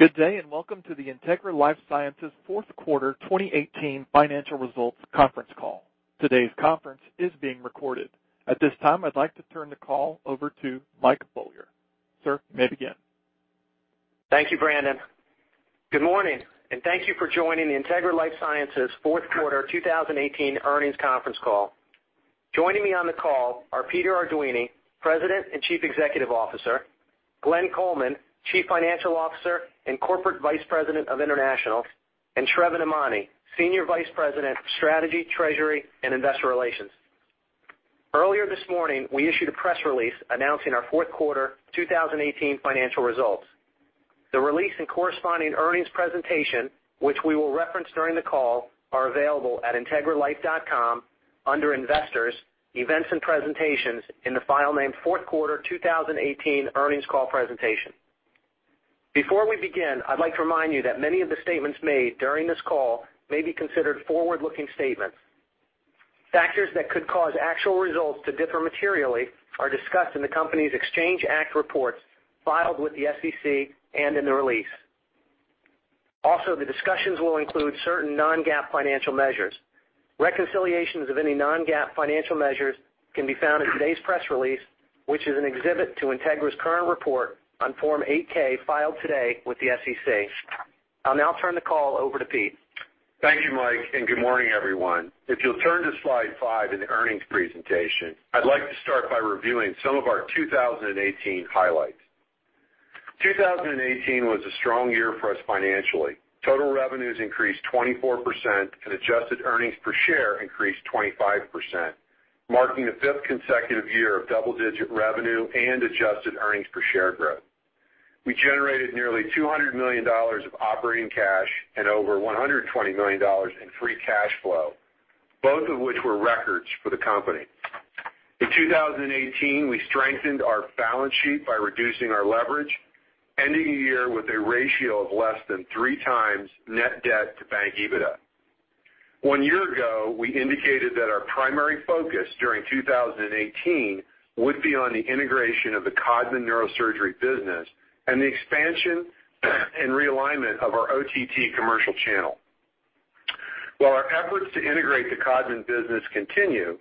Good day and welcome to the Integra LifeSciences Fourth Quarter 2018 Financial Results Conference Call. Today's conference is being recorded. At this time, I'd like to turn the call over to Michael Beaulieu. Sir, you may begin. Thank you, Brandon. Good morning and thank you for joining the Integra LifeSciences Fourth Quarter 2018 Earnings Conference Call. Joining me on the call are Peter Arduini, President and Chief Executive Officer, Glenn Coleman, Chief Financial Officer and Corporate Vice President of International, and Sravan Emany, Senior Vice President of Strategy, Treasury, and Investor Relations. Earlier this morning, we issued a press release announcing our Fourth Quarter 2018 financial results. The release and corresponding earnings presentation, which we will reference during the call, are available at integralife.com under Investors, Events and Presentations in the file named Fourth Quarter 2018 Earnings Call Presentation. Before we begin, I'd like to remind you that many of the statements made during this call may be considered forward-looking statements. Factors that could cause actual results to differ materially are discussed in the company's Exchange Act reports filed with the SEC and in the release. Also, the discussions will include certain non-GAAP financial measures. Reconciliations of any non-GAAP financial measures can be found in today's press release, which is an exhibit to Integra's current report on Form 8-K filed today with the SEC. I'll now turn the call over to Pete. Thank you, Mike, and good morning, everyone. If you'll turn to slide five in the earnings presentation, I'd like to start by reviewing some of our 2018 highlights. 2018 was a strong year for us financially. Total revenues increased 24% and adjusted earnings per share increased 25%, marking the fifth consecutive year of double-digit revenue and adjusted earnings per share growth. We generated nearly $200 million of operating cash and over $120 million in free cash flow, both of which were records for the company. In 2018, we strengthened our balance sheet by reducing our leverage, ending the year with a ratio of less than three times net debt to adjusted EBITDA. One year ago, we indicated that our primary focus during 2018 would be on the integration of the Codman Neurosurgery business and the expansion and realignment of our OTT commercial channel. While our efforts to integrate the Codman business continue,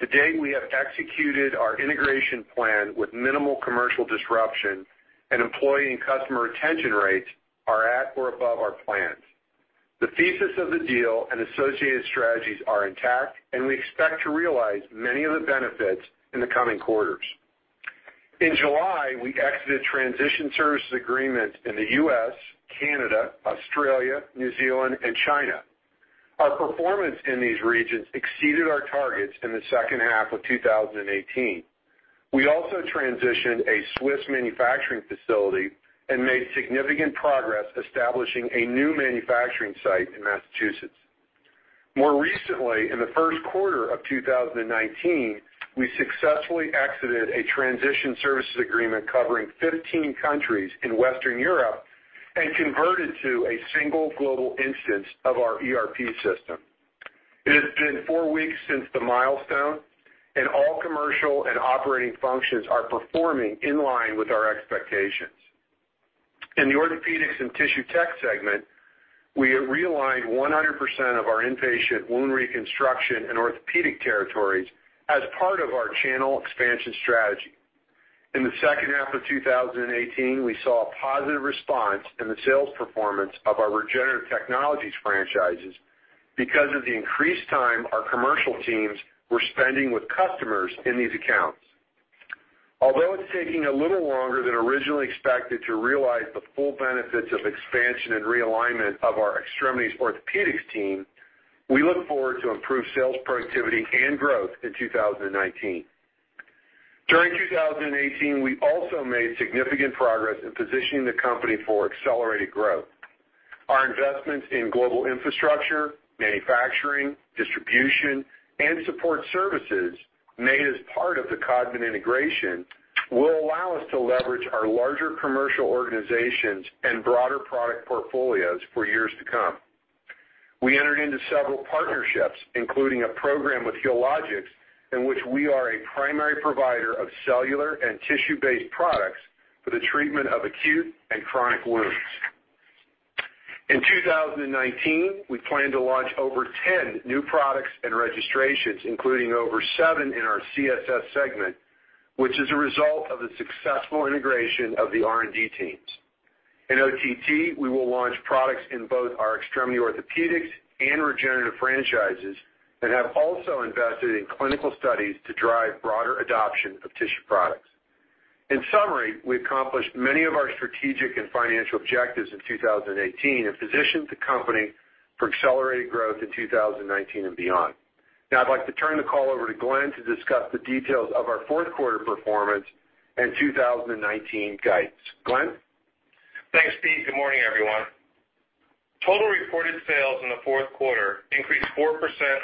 to date we have executed our integration plan with minimal commercial disruption, and employee and customer retention rates are at or above our plans. The thesis of the deal and associated strategies are intact, and we expect to realize many of the benefits in the coming quarters. In July, we exited transition services agreements in the U.S., Canada, Australia, New Zealand, and China. Our performance in these regions exceeded our targets in the second half of 2018. We also transitioned a Swiss manufacturing facility and made significant progress establishing a new manufacturing site in Massachusetts. More recently, in the first quarter of 2019, we successfully exited a transition services agreement covering 15 countries in Western Europe and converted to a single global instance of our ERP system. It has been four weeks since the milestone, and all commercial and operating functions are performing in line with our expectations. In the orthopedics and tissue tech segment, we have realigned 100% of our inpatient wound reconstruction and orthopedic territories as part of our channel expansion strategy. In the second half of 2018, we saw a positive response in the sales performance of our regenerative technologies franchises because of the increased time our commercial teams were spending with customers in these accounts. Although it's taking a little longer than originally expected to realize the full benefits of expansion and realignment of our extremities orthopedics team, we look forward to improved sales productivity and growth in 2019. During 2018, we also made significant progress in positioning the company for accelerated growth. Our investments in global infrastructure, manufacturing, distribution, and support services made as part of the Codman integration will allow us to leverage our larger commercial organizations and broader product portfolios for years to come. We entered into several partnerships, including a program with Healogics in which we are a primary provider of cellular and tissue-based products for the treatment of acute and chronic wounds. In 2019, we plan to launch over 10 new products and registrations, including over seven in our CSS segment, which is a result of the successful integration of the R&D teams. In OTT, we will launch products in both our extremity orthopedics and regenerative franchises and have also invested in clinical studies to drive broader adoption of tissue products. In summary, we accomplished many of our strategic and financial objectives in 2018 and positioned the company for accelerated growth in 2019 and beyond. Now, I'd like to turn the call over to Glenn to discuss the details of our Fourth Quarter performance and 2019 guidance. Glenn? Thanks, Pete. Good morning, everyone. Total reported sales in the fourth quarter increased 4%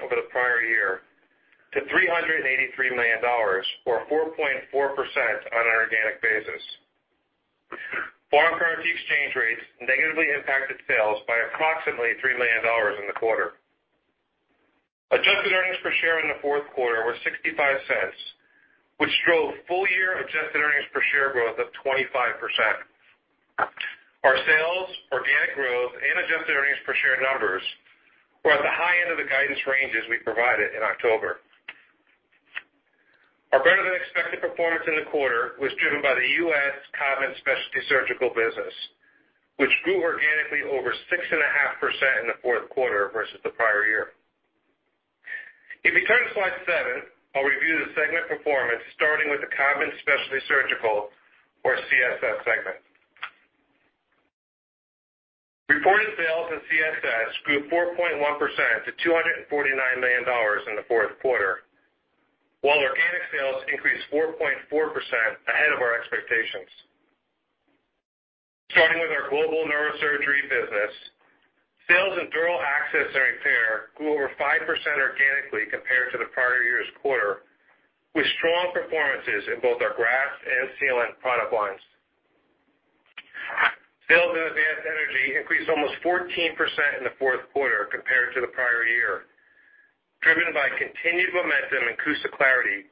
over the prior year to $383 million, or 4.4% on an organic basis. Foreign currency exchange rates negatively impacted sales by approximately $3 million in the quarter. Adjusted earnings per share in the fourth quarter were $0.65, which drove full-year adjusted earnings per share growth of 25%. Our sales, organic growth, and adjusted earnings per share numbers were at the high end of the guidance ranges we provided in October. Our better-than-expected performance in the quarter was driven by the US Codman Specialty Surgical business, which grew organically over 6.5% in the fourth quarter versus the prior year. If you turn to slide seven, I'll review the segment performance starting with the Codman Specialty Surgical, or CSS, segment. Reported sales in CSS grew 4.1% to $249 million in the fourth quarter, while organic sales increased 4.4% ahead of our expectations. Starting with our global neurosurgery business, sales in Dural Access and Repair grew over 5% organically compared to the prior year's quarter, with strong performances in both our graft and sealant product lines. Sales in advanced energy increased almost 14% in the fourth quarter compared to the prior year, driven by continued momentum and CUSA Clarity,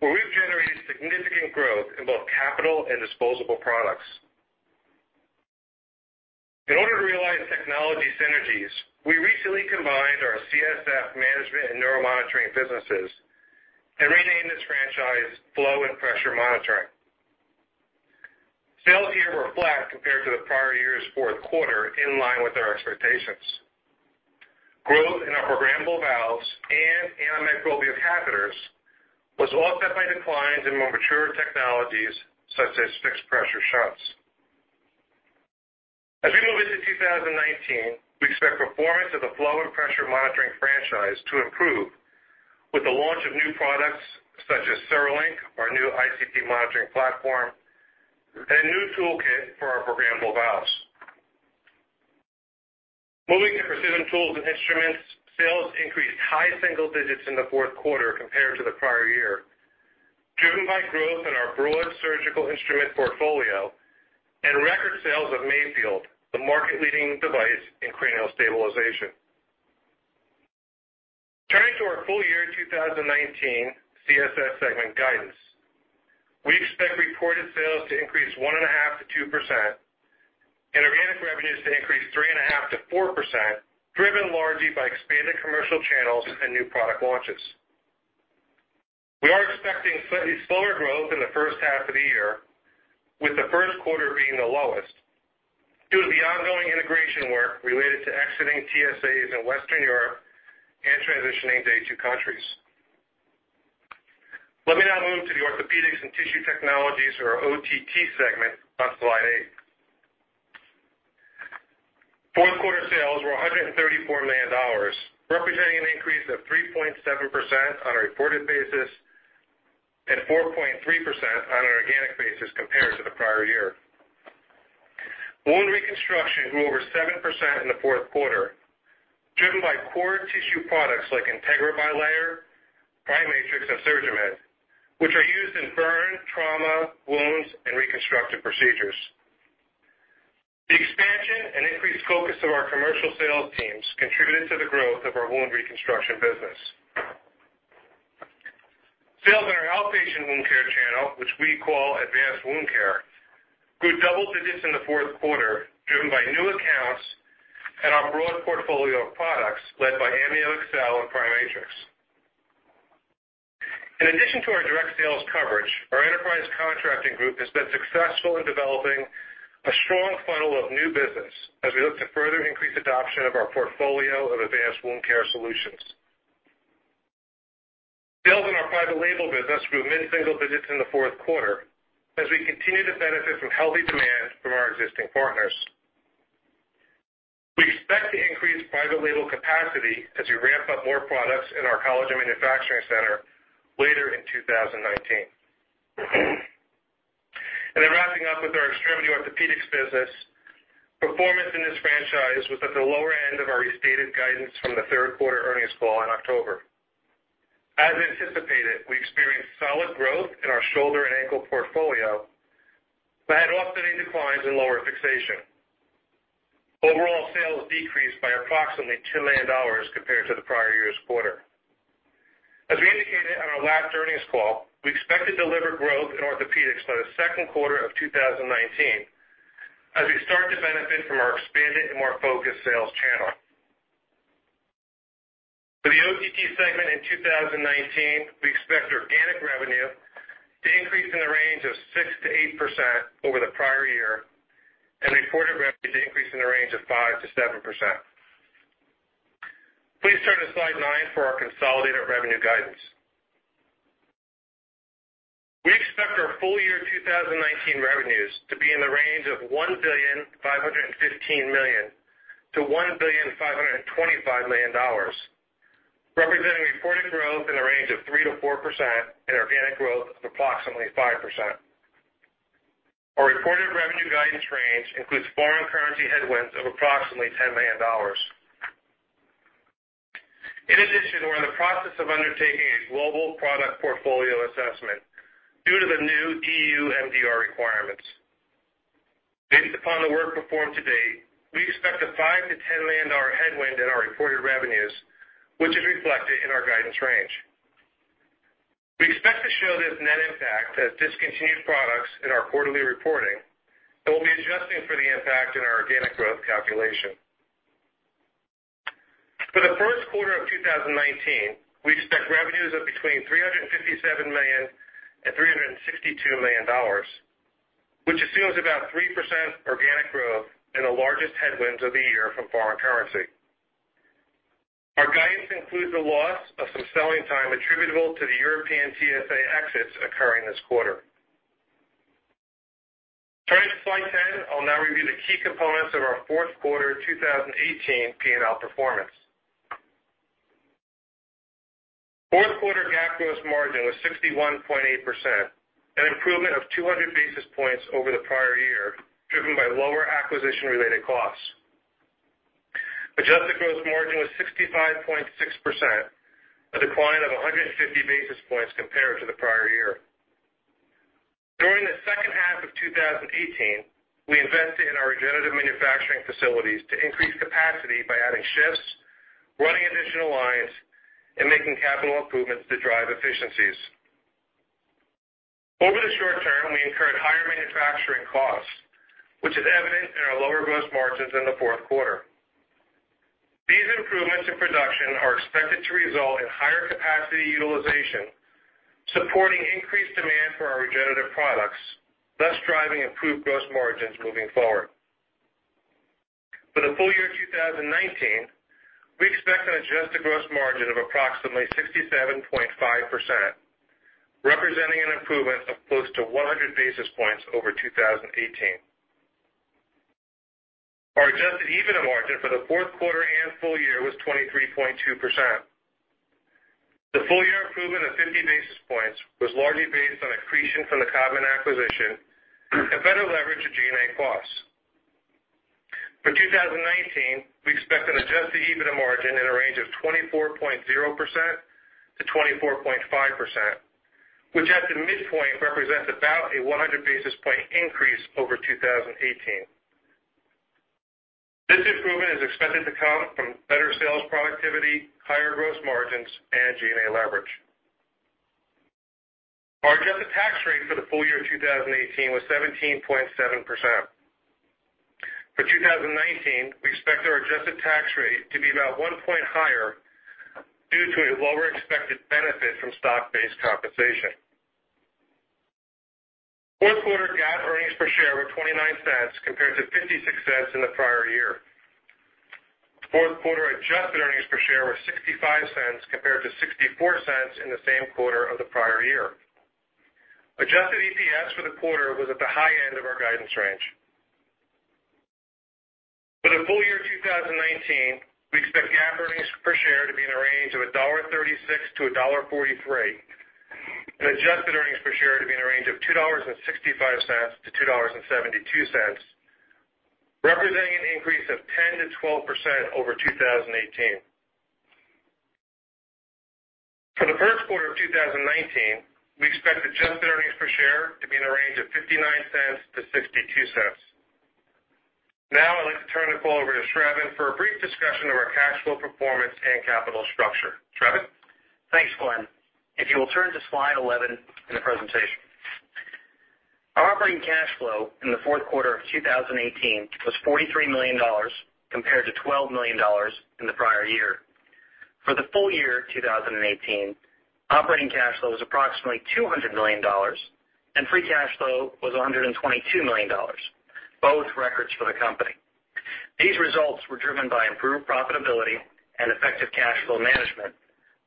where we've generated significant growth in both capital and disposable products. In order to realize technology synergies, we recently combined our CSF management and neuromonitoring businesses and renamed this franchise Flow and Pressure Monitoring. Sales here were flat compared to the prior year's fourth quarter, in line with our expectations. Growth in our programmable valves and antimicrobial catheters was offset by declines in more mature technologies such as fixed pressure shunts. As we move into 2019, we expect performance of the Flow and Pressure Monitoring franchise to improve with the launch of new products such as CereLink, our new ICP monitoring platform, and a new toolkit for our programmable valves. Moving to precision tools and instruments, sales increased high single digits in the Fourth Quarter compared to the prior year, driven by growth in our broad surgical instrument portfolio and record sales of Mayfield, the market-leading device in cranial stabilization. Turning to our full-year 2019 CSS segment guidance, we expect reported sales to increase 1.5% to 2% and organic revenues to increase 3.5% to 4%, driven largely by expanded commercial channels and new product launches. We are expecting slightly slower growth in the first half of the year, with the First Quarter being the lowest, due to the ongoing integration work related to exiting TSAs in Western Europe and transitioning to Day 2 countries. Let me now move to the orthopedics and tissue technologies, or OTT, segment on slide eight. Fourth Quarter sales were $134 million, representing an increase of 3.7% on a reported basis and 4.3% on an organic basis compared to the prior year. Wound reconstruction grew over 7% in the Fourth Quarter, driven by core tissue products like Integra Bilayer, PriMatrix, and SurgiMend, which are used in burn, trauma, wounds, and reconstructive procedures. The expansion and increased focus of our commercial sales teams contributed to the growth of our wound reconstruction business. Sales in our outpatient wound care channel, which we call advanced wound care, grew double digits in the Fourth Quarter, driven by new accounts and our broad portfolio of products led by AmnioExcel and PriMatrix. In addition to our direct sales coverage, our enterprise contracting group has been successful in developing a strong funnel of new business as we look to further increase adoption of our portfolio of advanced wound care solutions. Sales in our private label business grew mid-single digits in the Fourth Quarter as we continue to benefit from healthy demand from our existing partners. We expect to increase private label capacity as we ramp up more products in our collagen manufacturing center later in 2019. Then wrapping up with our extremity orthopedics business, performance in this franchise was at the lower end of our stated guidance from the Third Quarter earnings call in October. As anticipated, we experienced solid growth in our shoulder and ankle portfolio but had offsetting declines in lower fixation. Overall sales decreased by approximately $2 million compared to the prior year's quarter. As we indicated on our last earnings call, we expect to deliver growth in orthopedics by the Second Quarter of 2019 as we start to benefit from our expanded and more focused sales channel. For the OTT segment in 2019, we expect organic revenue to increase in the range of 6%-8% over the prior year and reported revenue to increase in the range of 5%-7%. Please turn to slide nine for our consolidated revenue guidance. We expect our full-year 2019 revenues to be in the range of $1,515 million-$1,525 million, representing reported growth in the range of 3%-4% and organic growth of approximately 5%. Our reported revenue guidance range includes foreign currency headwinds of approximately $10 million. In addition, we're in the process of undertaking a global product portfolio assessment due to the new EU MDR requirements. Based upon the work performed to date, we expect a $5 million-$10 million headwind in our reported revenues, which is reflected in our guidance range. We expect to show this net impact as discontinued products in our quarterly reporting and will be adjusting for the impact in our organic growth calculation. For the First Quarter of 2019, we expect revenues of between $357 million and $362 million, which assumes about 3% organic growth and the largest headwinds of the year from foreign currency. Our guidance includes the loss of some selling time attributable to the European TSA exits occurring this quarter. Turning to slide 10, I'll now review the key components of our Fourth Quarter 2018 P&L performance. Fourth Quarter GAAP gross margin was 61.8%, an improvement of 200 basis points over the prior year, driven by lower acquisition-related costs. Adjusted gross margin was 65.6%, a decline of 150 basis points compared to the prior year. During the Second Half of 2018, we invested in our regenerative manufacturing facilities to increase capacity by adding shifts, running additional lines, and making capital improvements to drive efficiencies. Over the short term, we incurred higher manufacturing costs, which is evident in our lower gross margins in the Fourth Quarter. These improvements in production are expected to result in higher capacity utilization, supporting increased demand for our regenerative products, thus driving improved gross margins moving forward. For the full year 2019, we expect an adjusted gross margin of approximately 67.5%, representing an improvement of close to 100 basis points over 2018. Our adjusted EBITDA margin for the Fourth Quarter and full year was 23.2%. The full-year improvement of 50 basis points was largely based on accretion from the Codman acquisition and better leverage of G&A costs. For 2019, we expect an adjusted EBITDA margin in a range of 24.0%-24.5%, which at the midpoint represents about a 100 basis point increase over 2018. This improvement is expected to come from better sales productivity, higher gross margins, and G&A leverage. Our adjusted tax rate for the full year 2018 was 17.7%. For 2019, we expect our adjusted tax rate to be about one point higher due to a lower expected benefit from stock-based compensation. Fourth Quarter GAAP earnings per share were $0.29 compared to $0.56 in the prior year. Fourth Quarter adjusted earnings per share were $0.65 compared to $0.64 in the same quarter of the prior year. Adjusted EPS for the quarter was at the high end of our guidance range. For the full year 2019, we expect GAAP earnings per share to be in a range of $1.36-$1.43, and adjusted earnings per share to be in a range of $2.65-$2.72, representing an increase of 10%-12% over 2018. For the First Quarter of 2019, we expect adjusted earnings per share to be in a range of $0.59-$0.62. Now, I'd like to turn the call over to Stuart for a brief discussion of our cash flow performance and capital structure. Stuart? Thanks, Glenn. If you will turn to slide 11 in the presentation. Our operating cash flow in the Fourth Quarter of 2018 was $43 million compared to $12 million in the prior year. For the full year 2018, operating cash flow was approximately $200 million, and free cash flow was $122 million, both records for the company. These results were driven by improved profitability and effective cash flow management,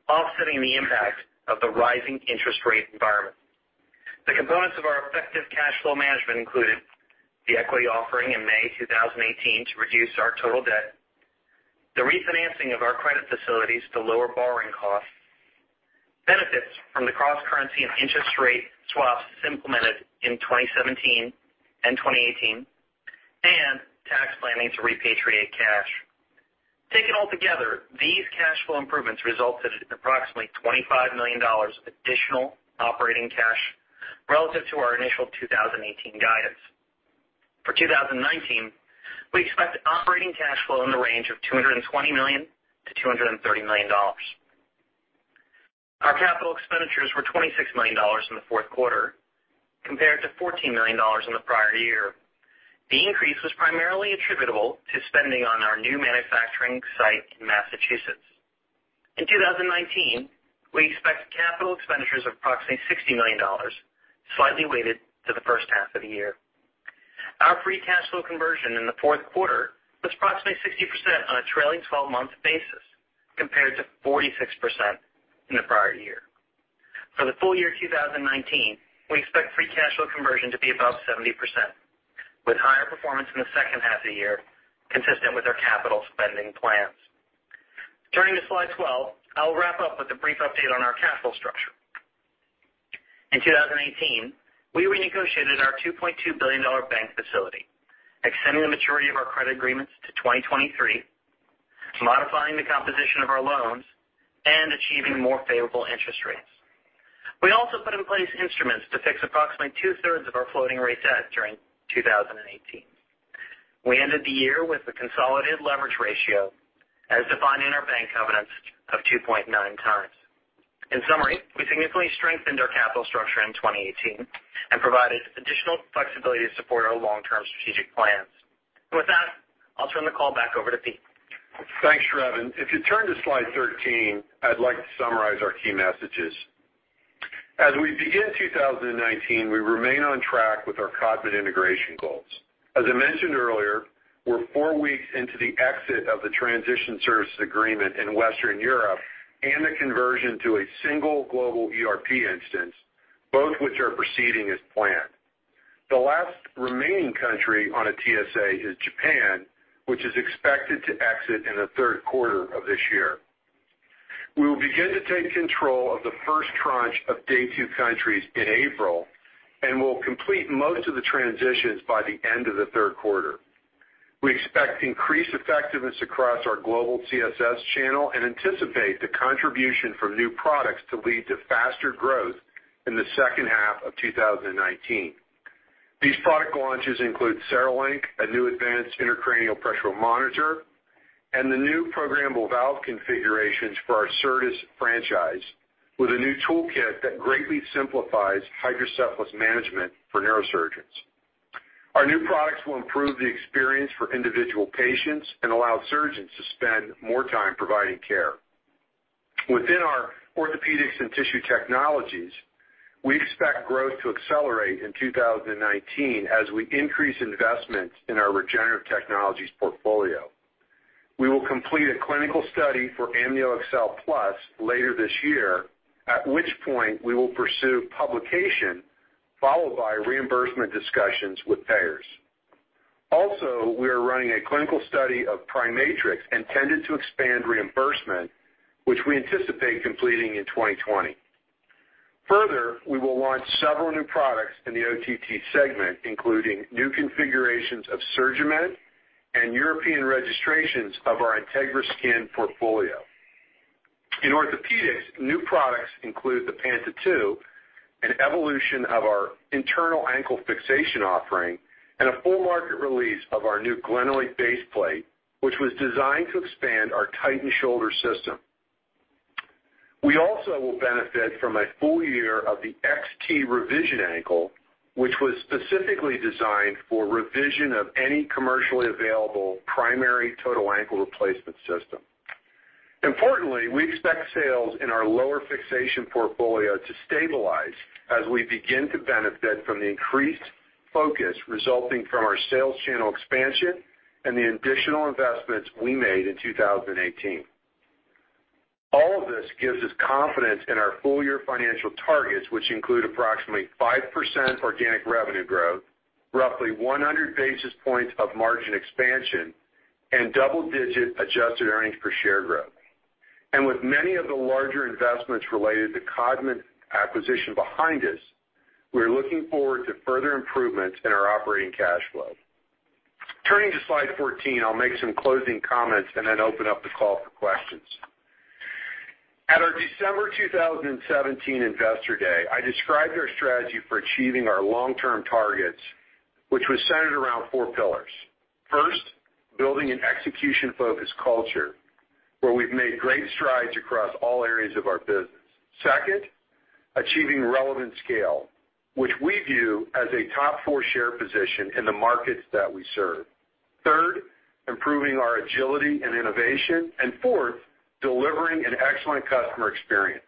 offsetting the impact of the rising interest rate environment. The components of our effective cash flow management included the equity offering in May 2018 to reduce our total debt, the refinancing of our credit facilities to lower borrowing costs, benefits from the cross-currency and interest rate swaps implemented in 2017 and 2018, and tax planning to repatriate cash. Taken all together, these cash flow improvements resulted in approximately $25 million additional operating cash relative to our initial 2018 guidance. For 2019, we expect operating cash flow in the range of $220 million-$230 million. Our capital expenditures were $26 million in the Fourth Quarter compared to $14 million in the prior year. The increase was primarily attributable to spending on our new manufacturing site in Massachusetts. In 2019, we expect capital expenditures of approximately $60 million, slightly weighted to the First Half of the Year. Our free cash flow conversion in the Fourth Quarter was approximately 60% on a trailing 12-month basis compared to 46% in the prior year. For the full year 2019, we expect free cash flow conversion to be above 70%, with higher performance in the Second Half of the Year, consistent with our capital spending plans. Turning to slide 12, I'll wrap up with a brief update on our cash flow structure. In 2018, we renegotiated our $2.2 billion bank facility, extending the maturity of our credit agreements to 2023, modifying the composition of our loans, and achieving more favorable interest rates. We also put in place instruments to fix approximately two-thirds of our floating rate debt during 2018. We ended the year with a consolidated leverage ratio as defined in our bank covenants of 2.9 times. In summary, we significantly strengthened our capital structure in 2018 and provided additional flexibility to support our long-term strategic plans, and with that, I'll turn the call back over to Pete. Thanks, Stuart. If you turn to slide 13, I'd like to summarize our key messages. As we begin 2019, we remain on track with our Codman integration goals. As I mentioned earlier, we're four weeks into the exit of the transition services agreement in Western Europe and the conversion to a single global ERP instance, both of which are proceeding as planned. The last remaining country on a TSA is Japan, which is expected to exit in the Third Quarter of this year. We will begin to take control of the first tranche of Day 2 countries in April and will complete most of the transitions by the end of the Third Quarter. We expect increased effectiveness across our global TSS channel and anticipate the contribution from new products to lead to faster growth in the Second Half of 2019. These product launches include CereLink, a new advanced intracranial pressure monitor, and the new programmable valve configurations for our CERTAS franchise, with a new toolkit that greatly simplifies hydrocephalus management for neurosurgeons. Our new products will improve the experience for individual patients and allow surgeons to spend more time providing care. Within our orthopedics and tissue technologies, we expect growth to accelerate in 2019 as we increase investments in our regenerative technologies portfolio. We will complete a clinical study for AmnioExcel Plus later this year, at which point we will pursue publication followed by reimbursement discussions with payers. Also, we are running a clinical study of PriMatrix intended to expand reimbursement, which we anticipate completing in 2020. Further, we will launch several new products in the OTT segment, including new configurations of SurgiMend and European registrations of our Integra Skin portfolio. In orthopedics, new products include the Panta 2, an evolution of our internal ankle fixation offering, and a full market release of our new glenoid baseplate, which was designed to expand our Titan shoulder system. We also will benefit from a full year of the XT Revision Ankle, which was specifically designed for revision of any commercially available primary total ankle replacement system. Importantly, we expect sales in our lower fixation portfolio to stabilize as we begin to benefit from the increased focus resulting from our sales channel expansion and the additional investments we made in 2018. All of this gives us confidence in our full-year financial targets, which include approximately 5% organic revenue growth, roughly 100 basis points of margin expansion, and double-digit adjusted earnings per share growth. With many of the larger investments related to the Codman acquisition behind us, we're looking forward to further improvements in our operating cash flow. Turning to slide 14, I'll make some closing comments and then open up the call for questions. At our December 2017 Investor Day, I described our strategy for achieving our long-term targets, which was centered around four pillars. First, building an execution-focused culture where we've made great strides across all areas of our business. Second, achieving relevant scale, which we view as a top four share position in the markets that we serve. Third, improving our agility and innovation. And fourth, delivering an excellent customer experience.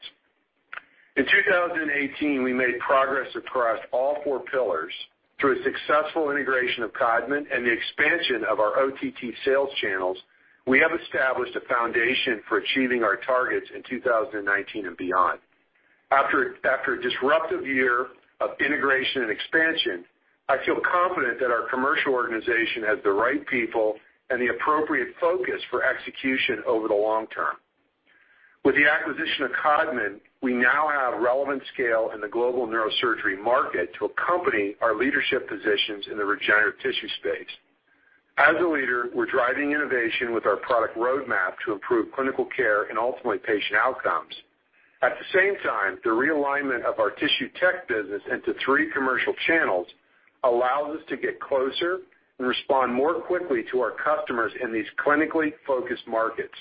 In 2018, we made progress across all four pillars through a successful integration of Codman and the expansion of our OTT sales channels. We have established a foundation for achieving our targets in 2019 and beyond. After a disruptive year of integration and expansion, I feel confident that our commercial organization has the right people and the appropriate focus for execution over the long term. With the acquisition of Codman, we now have relevant scale in the global neurosurgery market to accompany our leadership positions in the regenerative tissue space. As a leader, we're driving innovation with our product roadmap to improve clinical care and ultimately patient outcomes. At the same time, the realignment of our tissue tech business into three commercial channels allows us to get closer and respond more quickly to our customers in these clinically focused markets.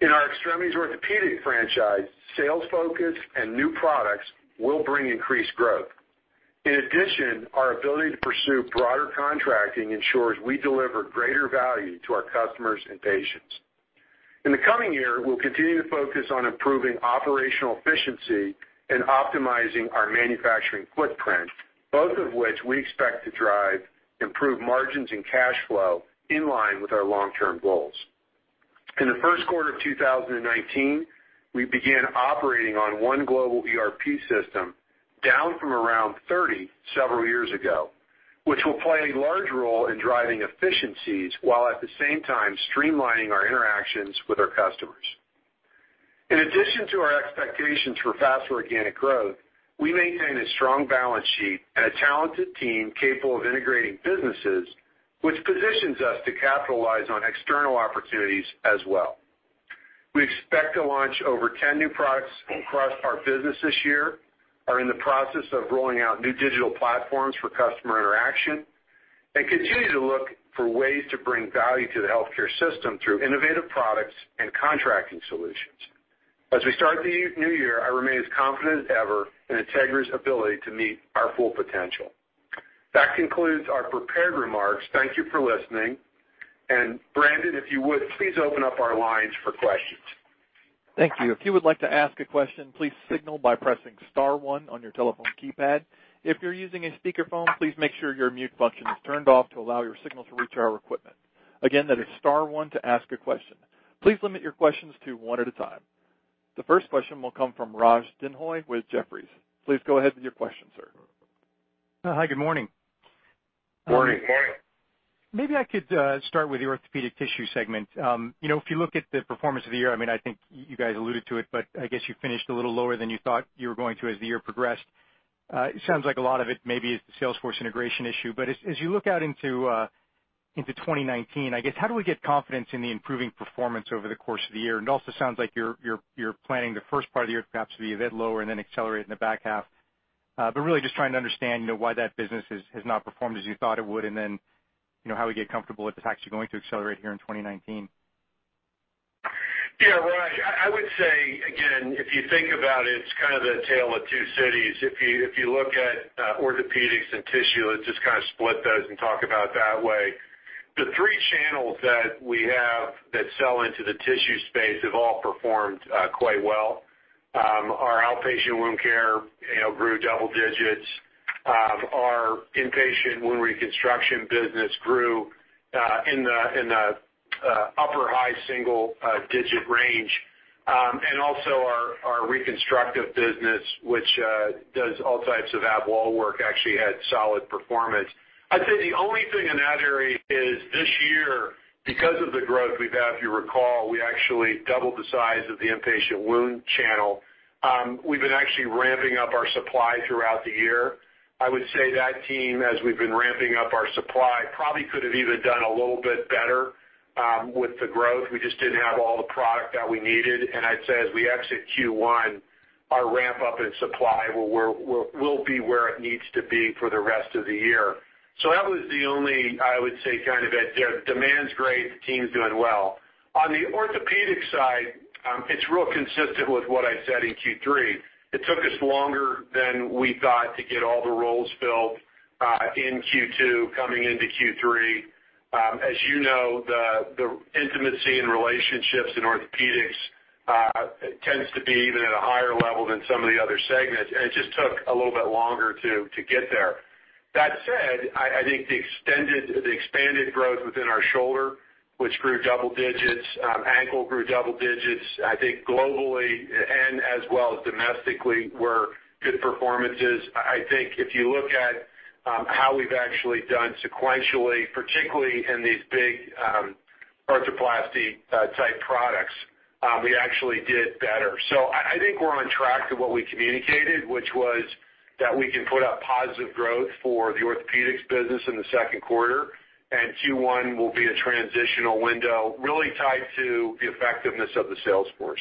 In our extremities orthopedic franchise, sales focus and new products will bring increased growth. In addition, our ability to pursue broader contracting ensures we deliver greater value to our customers and patients. In the coming year, we'll continue to focus on improving operational efficiency and optimizing our manufacturing footprint, both of which we expect to drive improved margins and cash flow in line with our long-term goals. In the first quarter of 2019, we began operating on one global ERP system down from around 30 several years ago, which will play a large role in driving efficiencies while at the same time streamlining our interactions with our customers. In addition to our expectations for faster organic growth, we maintain a strong balance sheet and a talented team capable of integrating businesses, which positions us to capitalize on external opportunities as well. We expect to launch over 10 new products across our business this year, are in the process of rolling out new digital platforms for customer interaction, and continue to look for ways to bring value to the healthcare system through innovative products and contracting solutions. As we start the new year, I remain as confident as ever in Integra's ability to meet our full potential. That concludes our prepared remarks. Thank you for listening. Brandon, if you would, please open up our lines for questions. Thank you. If you would like to ask a question, please signal by pressing Star 1 on your telephone keypad. If you're using a speakerphone, please make sure your mute function is turned off to allow your signal to reach our equipment. Again, that is Star 1 to ask a question. Please limit your questions to one at a time. The first question will come from Raj Denhoy with Jefferies. Please go ahead with your question, sir. Hi, good morning. Morning. Morning. Maybe I could start with the orthopedic tissue segment. If you look at the performance of the year, I mean, I think you guys alluded to it, but I guess you finished a little lower than you thought you were going to as the year progressed. It sounds like a lot of it maybe is the Salesforce integration issue. But as you look out into 2019, I guess, how do we get confidence in the improving performance over the course of the year? It also sounds like you're planning the first part of the year perhaps to be a bit lower and then accelerate in the back half. But really just trying to understand why that business has not performed as you thought it would, and then how we get comfortable that it's actually going to accelerate here in 2019. Yeah, Raj, I would say, again, if you think about it, it's kind of the tale of two cities. If you look at orthopedics and tissue, let's just kind of split those and talk about that way. The three channels that we have that sell into the tissue space have all performed quite well. Our outpatient wound care grew double digits. Our inpatient wound reconstruction business grew in the upper high single-digit range, and also our reconstructive business, which does all types of ab wall work, actually had solid performance. I'd say the only thing in that area is this year, because of the growth we've had, if you recall, we actually doubled the size of the inpatient wound channel. We've been actually ramping up our supply throughout the year. I would say that team, as we've been ramping up our supply, probably could have even done a little bit better with the growth. We just didn't have all the product that we needed, and I'd say as we exit Q1, our ramp-up in supply will be where it needs to be for the rest of the year, so that was the only, I would say, kind of demand's great, the team's doing well. On the orthopedic side, it's real consistent with what I said in Q3. It took us longer than we thought to get all the roles filled in Q2, coming into Q3. As you know, the intimacy and relationships in orthopedics tends to be even at a higher level than some of the other segments, and it just took a little bit longer to get there. That said, I think the expanded growth within our shoulder, which grew double digits, ankle grew double digits, I think globally and as well as domestically were good performances. I think if you look at how we've actually done sequentially, particularly in these big arthroplasty-type products, we actually did better. So I think we're on track to what we communicated, which was that we can put up positive growth for the orthopedics business in the second quarter. And Q1 will be a transitional window really tied to the effectiveness of the sales force.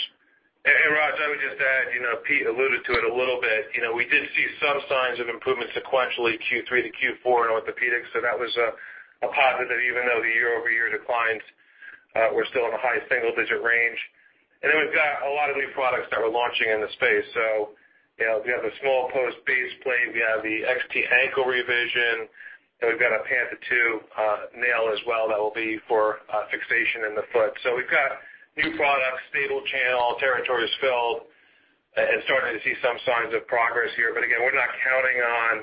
And Raj, I would just add, Pete alluded to it a little bit. We did see some signs of improvement sequentially Q3 to Q4 in orthopedics. So that was a positive, even though the year-over-year declines, we're still in a high single-digit range. And then we've got a lot of new products that we're launching in the space. So we have the small post baseplate, we have the XT Revision Ankle, and we've got a Panta 2 nail as well that will be for fixation in the foot. So we've got new products, stable channel, territories filled, and starting to see some signs of progress here. But again, we're not counting on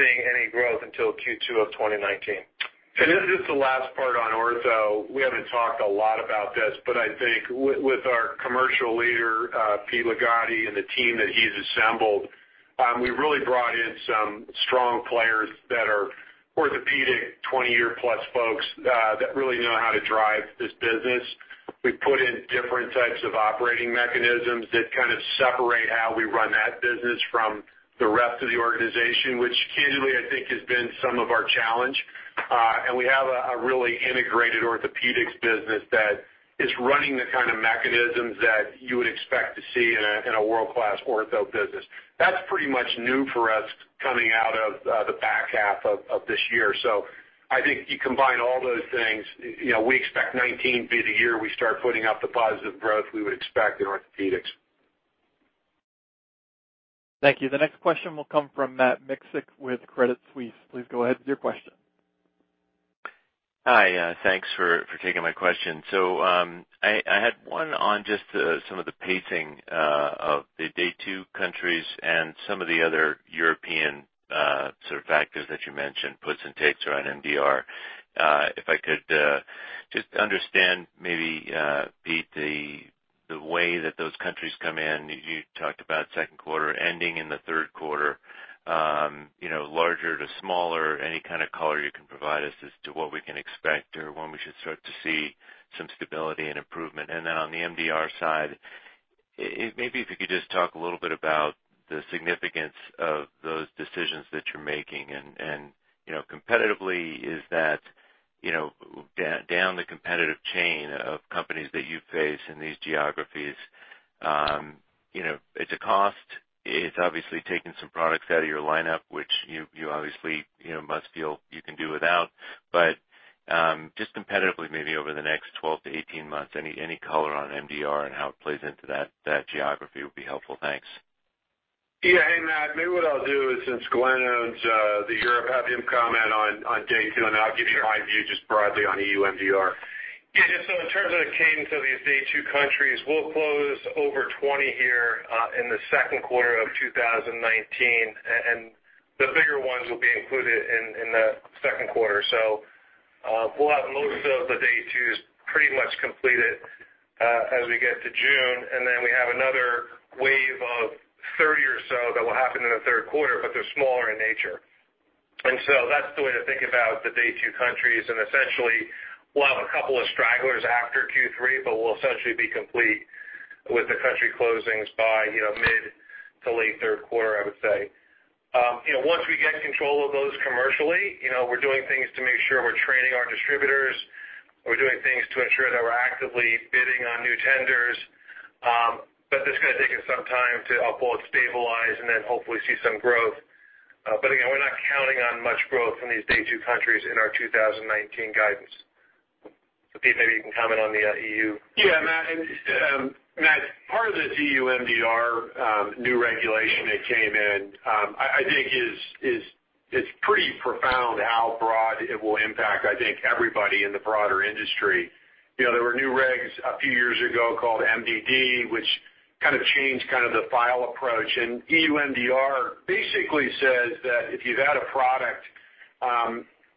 seeing any growth until Q2 of 2019. And this is the last part on ortho. We haven't talked a lot about this, but I think with our commercial leader, Pete Ligotti, and the team that he's assembled, we've really brought in some strong players that are orthopedic 20-year-plus folks that really know how to drive this business. We've put in different types of operating mechanisms that kind of separate how we run that business from the rest of the organization, which candidly, I think, has been some of our challenge. And we have a really integrated orthopedics business that is running the kind of mechanisms that you would expect to see in a world-class ortho business. That's pretty much new for us coming out of the back half of this year. So I think you combine all those things, we expect 2019 be the year we start putting up the positive growth we would expect in orthopedics. Thank you. The next question will come from Matt Miksic with Credit Suisse. Please go ahead with your question. Hi, thanks for taking my question. So I had one on just some of the pacing of the Day 2 Countries and some of the other European sort of factors that you mentioned, puts and takes around MDR. If I could just understand maybe, Pete, the way that those countries come in. You talked about second quarter ending in the third quarter, larger to smaller, any kind of color you can provide us as to what we can expect or when we should start to see some stability and improvement. And then on the MDR side, maybe if you could just talk a little bit about the significance of those decisions that you're making. And competitively, is that down the competitive chain of companies that you face in these geographies, it's a cost. It's obviously taking some products out of your lineup, which you obviously must feel you can do without. But just competitively, maybe over the next 12-18 months, any color on MDR and how it plays into that geography would be helpful. Thanks. Yeah. And maybe what I'll do is since Glenn owns Europe, have him comment on Day 2, and I'll give you my view just broadly on EU MDR. Yeah. So in terms of the cadence of these Day 2 countries, we'll close over 20 here in the second quarter of 2019. And the bigger ones will be included in the second quarter. So we'll have most of the Day 2s pretty much completed as we get to June. And then we have another wave of 30 or so that will happen in the third quarter, but they're smaller in nature. And so that's the way to think about the Day 2 countries. And essentially, we'll have a couple of stragglers after Q3, but we'll essentially be complete with the country closings by mid to late third quarter, I would say. Once we get control of those commercially, we're doing things to make sure we're training our distributors. We're doing things to ensure that we're actively bidding on new tenders. But this is going to take us some time to uphold, stabilize, and then hopefully see some growth. But again, we're not counting on much growth in these Day 2 Countries in our 2019 guidance. So Pete, maybe you can comment on the EU. Yeah, Matt. Part of this EU MDR new regulation that came in, I think, is pretty profound how broad it will impact, I think, everybody in the broader industry. There were new regs a few years ago called MDD, which kind of changed kind of the file approach. And EU MDR basically says that if you've had a product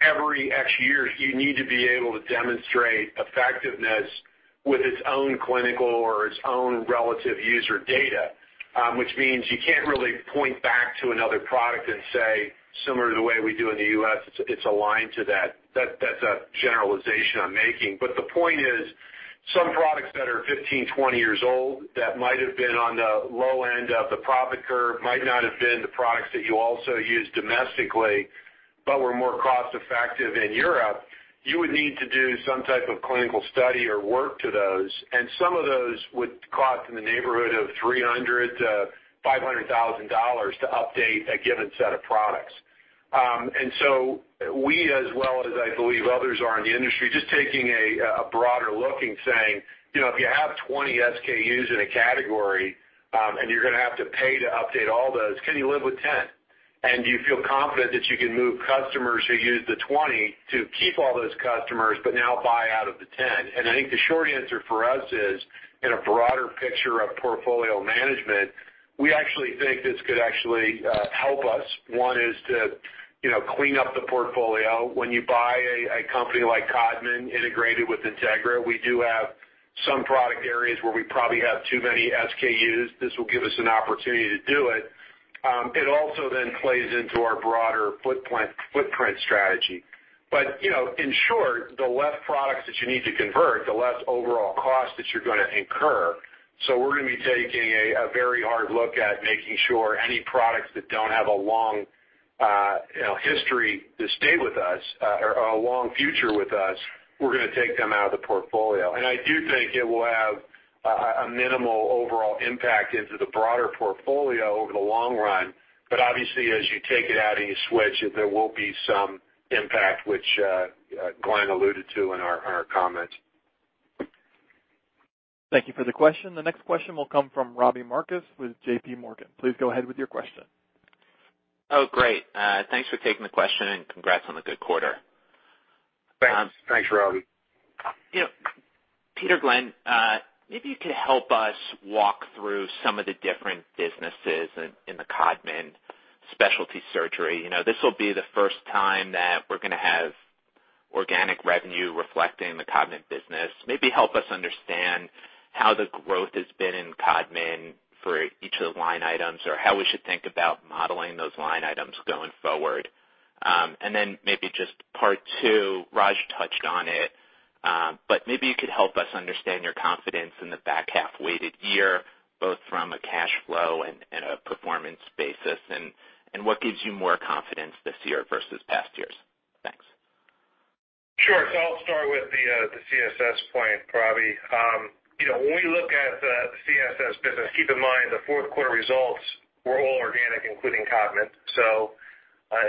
every X years, you need to be able to demonstrate effectiveness with its own clinical or its own relative user data, which means you can't really point back to another product and say, similar to the way we do in the US, it's aligned to that. That's a generalization I'm making. But the point is, some products that are 15, 20 years old that might have been on the low end of the profit curve, might not have been the products that you also use domestically, but were more cost-effective in Europe, you would need to do some type of clinical study or work to those. And some of those would cost in the neighborhood of $300,000-$500,000 to update a given set of products. And so we, as well as I believe others are in the industry, just taking a broader look and saying, if you have 20 SKUs in a category and you're going to have to pay to update all those, can you live with 10? Do you feel confident that you can move customers who use the 20 to keep all those customers but now buy out of the 10? I think the short answer for us is, in a broader picture of portfolio management, we actually think this could actually help us. One is to clean up the portfolio. When you buy a company like Codman integrated with Integra, we do have some product areas where we probably have too many SKUs. This will give us an opportunity to do it. It also then plays into our broader footprint strategy. But in short, the less products that you need to convert, the less overall cost that you're going to incur. So we're going to be taking a very hard look at making sure any products that don't have a long history to stay with us or a long future with us, we're going to take them out of the portfolio. And I do think it will have a minimal overall impact into the broader portfolio over the long run. But obviously, as you take it out and you switch, there will be some impact, which Glenn alluded to in our comments. Thank you for the question. The next question will come from Robbie Marcus with JP Morgan. Please go ahead with your question. Oh, great. Thanks for taking the question and congrats on the good quarter. Thanks, Robbie. Pete, Glenn, maybe you could help us walk through some of the different businesses in the Codman Specialty Surgical. This will be the first time that we're going to have organic revenue reflecting the Codman business. Maybe help us understand how the growth has been in Codman for each of the line items or how we should think about modeling those line items going forward. And then maybe just part two, Raj touched on it, but maybe you could help us understand your confidence in the back half weighted year, both from a cash flow and a performance basis. And what gives you more confidence this year versus past years? Thanks. Sure. So I'll start with the CSS point, Robbie. When we look at the CSS business, keep in mind the fourth quarter results were all organic, including Codman. So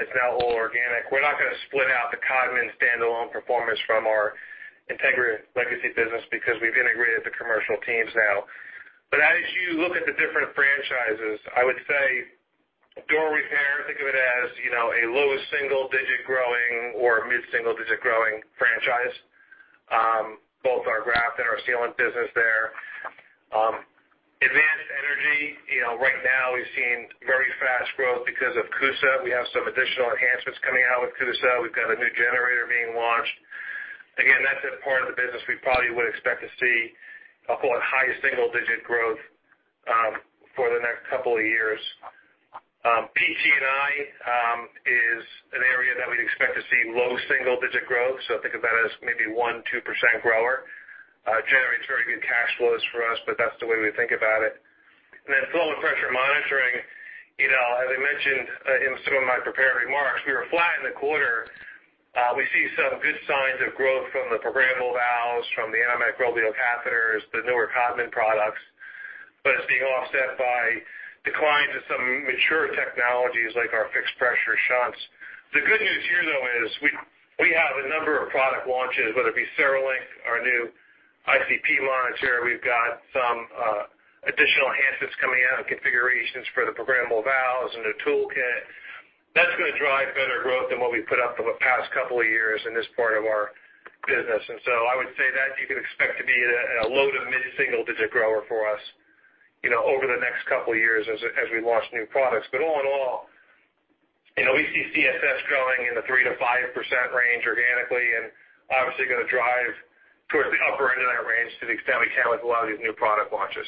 it's now all organic. We're not going to split out the Codman standalone performance from our Integra legacy business because we've integrated the commercial teams now. But as you look at the different franchises, I would say dural repair, think of it as a low single-digit growing or mid-single-digit growing franchise. Both our graft and our sealant business there. Advanced Energy, right now we've seen very fast growth because of CUSA. We have some additional enhancements coming out with CUSA. We've got a new generator being launched. Again, that's a part of the business we probably would expect to see a high single-digit growth for the next couple of years. PT&I is an area that we'd expect to see low single-digit growth, so think of that as maybe 1-2% grower. Generates very good cash flows for us, but that's the way we think about it, and then flow and pressure monitoring, as I mentioned in some of my prepared remarks, we were flat in the quarter. We see some good signs of growth from the programmable valves, from the antimicrobial catheters, the newer Codman products, but it's being offset by declines in some mature technologies like our fixed pressure shunts. The good news here, though, is we have a number of product launches, whether it be CereLink, our new ICP monitor. We've got some additional enhancements coming out of configurations for the programmable valves and the toolkit. That's going to drive better growth than what we put up the past couple of years in this part of our business. And so I would say that you can expect to be a low to mid-single-digit grower for us over the next couple of years as we launch new products. But all in all, we see CSS growing in the 3%-5% range organically and obviously going to drive towards the upper end of that range to the extent we can with a lot of these new product launches.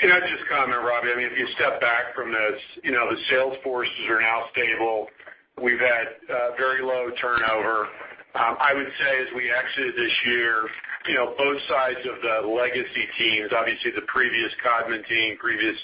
Can I just comment, Robbie? I mean, if you step back from this, the sales forces are now stable. We've had very low turnover. I would say as we exited this year, both sides of the legacy teams, obviously the previous Codman team, previous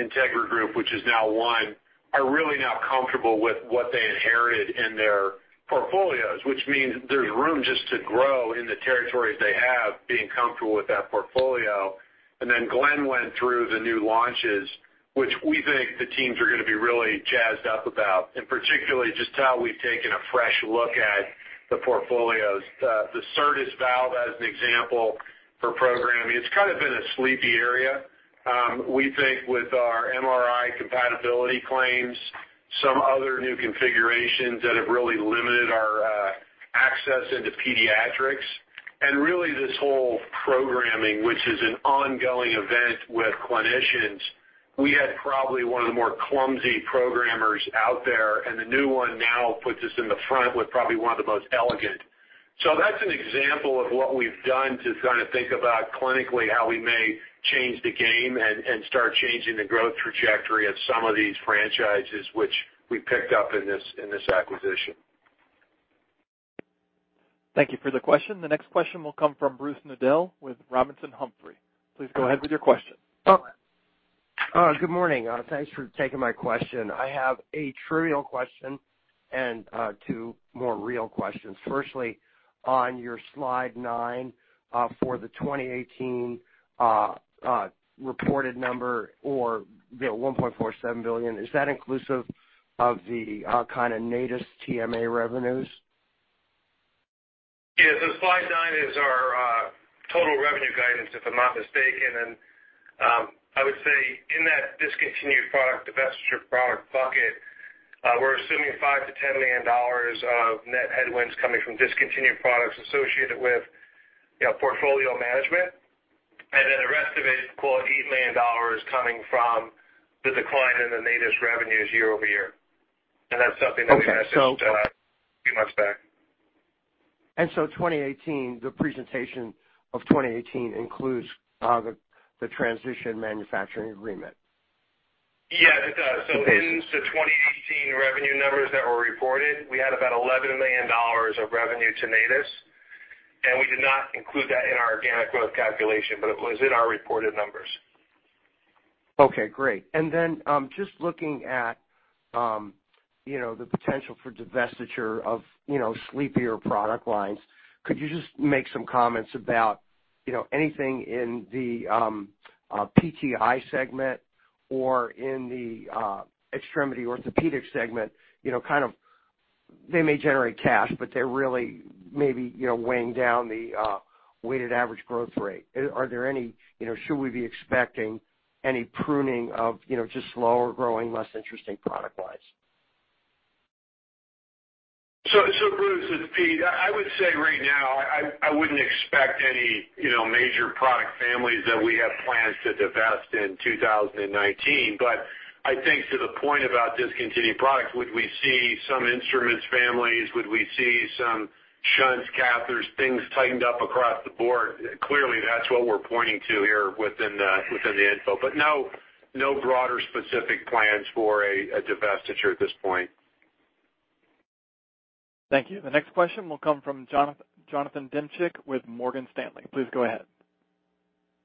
Integra Group, which is now one, are really now comfortable with what they inherited in their portfolios, which means there's room just to grow in the territories they have, being comfortable with that portfolio. And then Glenn went through the new launches, which we think the teams are going to be really jazzed up about, and particularly just how we've taken a fresh look at the portfolios. The CERTAS valve, as an example, for programming, it's kind of been a sleepy area. We think with our MRI compatibility claims, some other new configurations that have really limited our access into pediatrics. And, really, this whole programming, which is an ongoing event with clinicians, we had probably one of the more clumsy programmers out there, and the new one now puts us in the front with probably one of the most elegant. So that's an example of what we've done to kind of think about clinically how we may change the game and start changing the growth trajectory of some of these franchises, which we picked up in this acquisition. Thank you for the question. The next question will come from Bruce Nudell with Robinson Humphrey. Please go ahead with your question. Good morning. Thanks for taking my question. I have a trivial question and two more real questions. Firstly, on your slide nine for the 2018 reported number of $1.47 billion, is that inclusive of the kind of Natus TMA revenues? Yeah. So slide nine is our total revenue guidance, if I'm not mistaken. And I would say in that discontinued product to best of your product bucket, we're assuming $5 million-$10 million of net headwinds coming from discontinued products associated with portfolio management. And then the rest of it, $8 million coming from the decline in the NATUS revenues year over year. And that's something that we messaged a few months back. 2018, the presentation of 2018 includes the Transition Manufacturing Agreement? Yes, it does. So in the 2018 revenue numbers that were reported, we had about $11 million of revenue to NATUS. And we did not include that in our organic growth calculation, but it was in our reported numbers. Okay. Great. And then just looking at the potential for divestiture of sleepier product lines, could you just make some comments about anything in the PTI segment or in the extremity orthopedic segment? Kind of they may generate cash, but they're really maybe weighing down the weighted average growth rate. Are there any? Should we be expecting any pruning of just slower growing, less interesting product lines? So Bruce, it's Pete. I would say right now, I wouldn't expect any major product families that we have plans to divest in 2019. But I think to the point about discontinued products, would we see some instruments families? Would we see some shunts, catheters, things tightened up across the board? Clearly, that's what we're pointing to here within the info. But no broader specific plans for a divestiture at this point. Thank you. The next question will come from Jonathan Demchick with Morgan Stanley. Please go ahead.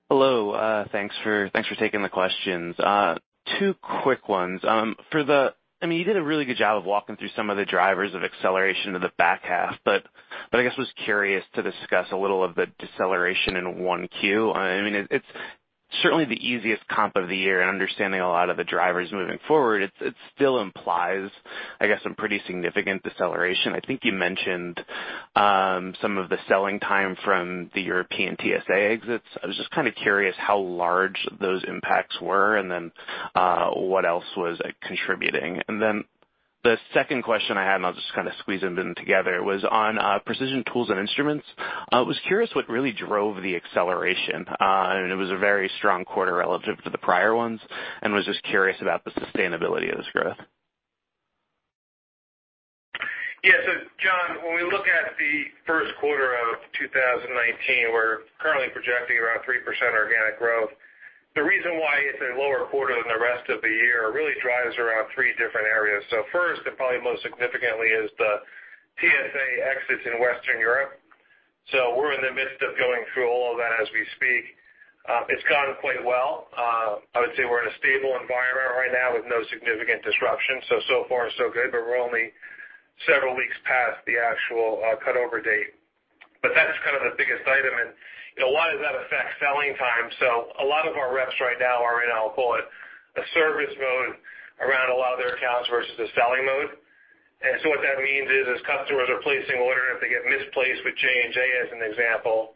Hello. Thanks for taking the questions. Two quick ones. I mean, you did a really good job of walking through some of the drivers of acceleration to the back half, but I guess was curious to discuss a little of the deceleration in Q1. I mean, it's certainly the easiest comp of the year in understanding a lot of the drivers moving forward. It still implies, I guess, some pretty significant deceleration. I think you mentioned some of the selling time from the European TSA exits. I was just kind of curious how large those impacts were and then what else was contributing. And then the second question I had, and I'll just kind of squeeze them in together, was on precision tools and instruments. I was curious what really drove the acceleration. It was a very strong quarter relative to the prior ones and was just curious about the sustainability of this growth. Yeah. So John, when we look at the first quarter of 2019, we're currently projecting around 3% organic growth. The reason why it's a lower quarter than the rest of the year really drives around three different areas. So first, and probably most significantly, is the TSA exits in Western Europe. So we're in the midst of going through all of that as we speak. It's gone quite well. I would say we're in a stable environment right now with no significant disruption. So so far, so good, but we're only several weeks past the actual cutover date. But that's kind of the biggest item. And a lot of that affects selling time. So a lot of our reps right now are in, I'll call it, a service mode around a lot of their accounts versus a selling mode. And so what that means is customers are placing orders if they get misplaced with J&J, as an example,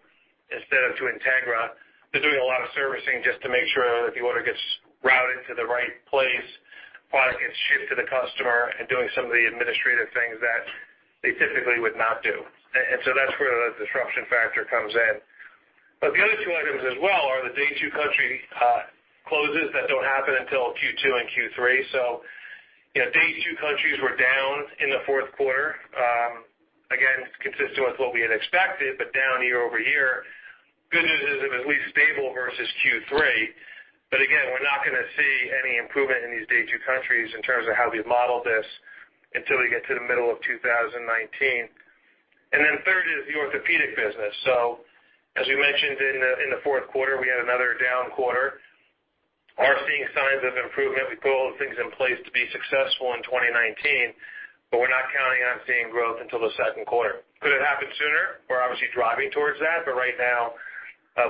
instead of to Integra. They're doing a lot of servicing just to make sure that the order gets routed to the right place, product gets shipped to the customer, and doing some of the administrative things that they typically would not do. And so that's where the disruption factor comes in. But the other two items as well are the Day 2 country closes that don't happen until Q2 and Q3. So Day 2 countries were down in the fourth quarter. Again, consistent with what we had expected, but down year over year. Good news is it was at least stable versus Q3. But again, we're not going to see any improvement in these Day 2 countries in terms of how we've modeled this until we get to the middle of 2019. Third is the orthopedic business. So as we mentioned in the fourth quarter, we had another down quarter. We are seeing signs of improvement. We put all the things in place to be successful in 2019, but we're not counting on seeing growth until the second quarter. Could it happen sooner? We're obviously driving towards that, but right now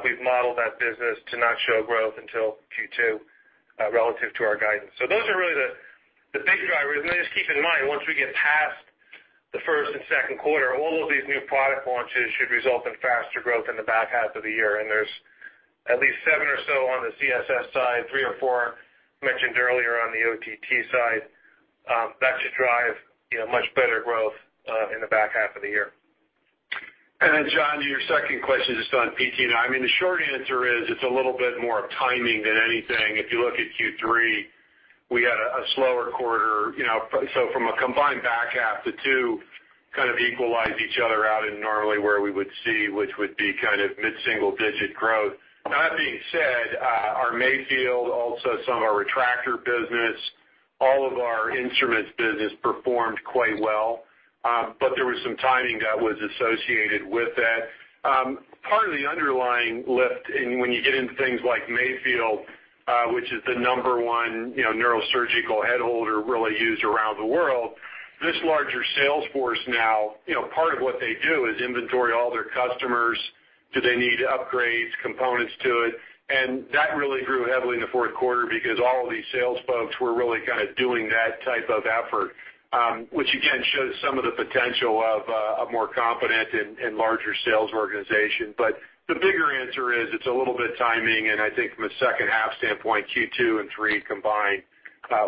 we've modeled that business to not show growth until Q2 relative to our guidance. So those are really the big drivers. And then just keep in mind, once we get past the first and second quarter, all of these new product launches should result in faster growth in the back half of the year. And there's at least seven or so on the CSS side, three or four mentioned earlier on the OTT side. That should drive much better growth in the back half of the year. John, to your second question just on PT&I, I mean, the short answer is it's a little bit more timing than anything. If you look at Q3, we had a slower quarter. So from a combined back half, the two kind of equalize each other out in normally where we would see, which would be kind of mid-single-digit growth. Now, that being said, our Mayfield, also some of our retractor business, all of our instruments business performed quite well. But there was some timing that was associated with that. Part of the underlying lift when you get into things like Mayfield, which is the number one neurosurgical head holder really used around the world, this larger sales force now, part of what they do is inventory all their customers. Do they need upgrades, components to it? That really grew heavily in the fourth quarter because all of these sales folks were really kind of doing that type of effort, which again shows some of the potential of a more competent and larger sales organization. The bigger answer is it's a little bit timing. I think from a second half standpoint, Q2 and Q3 combined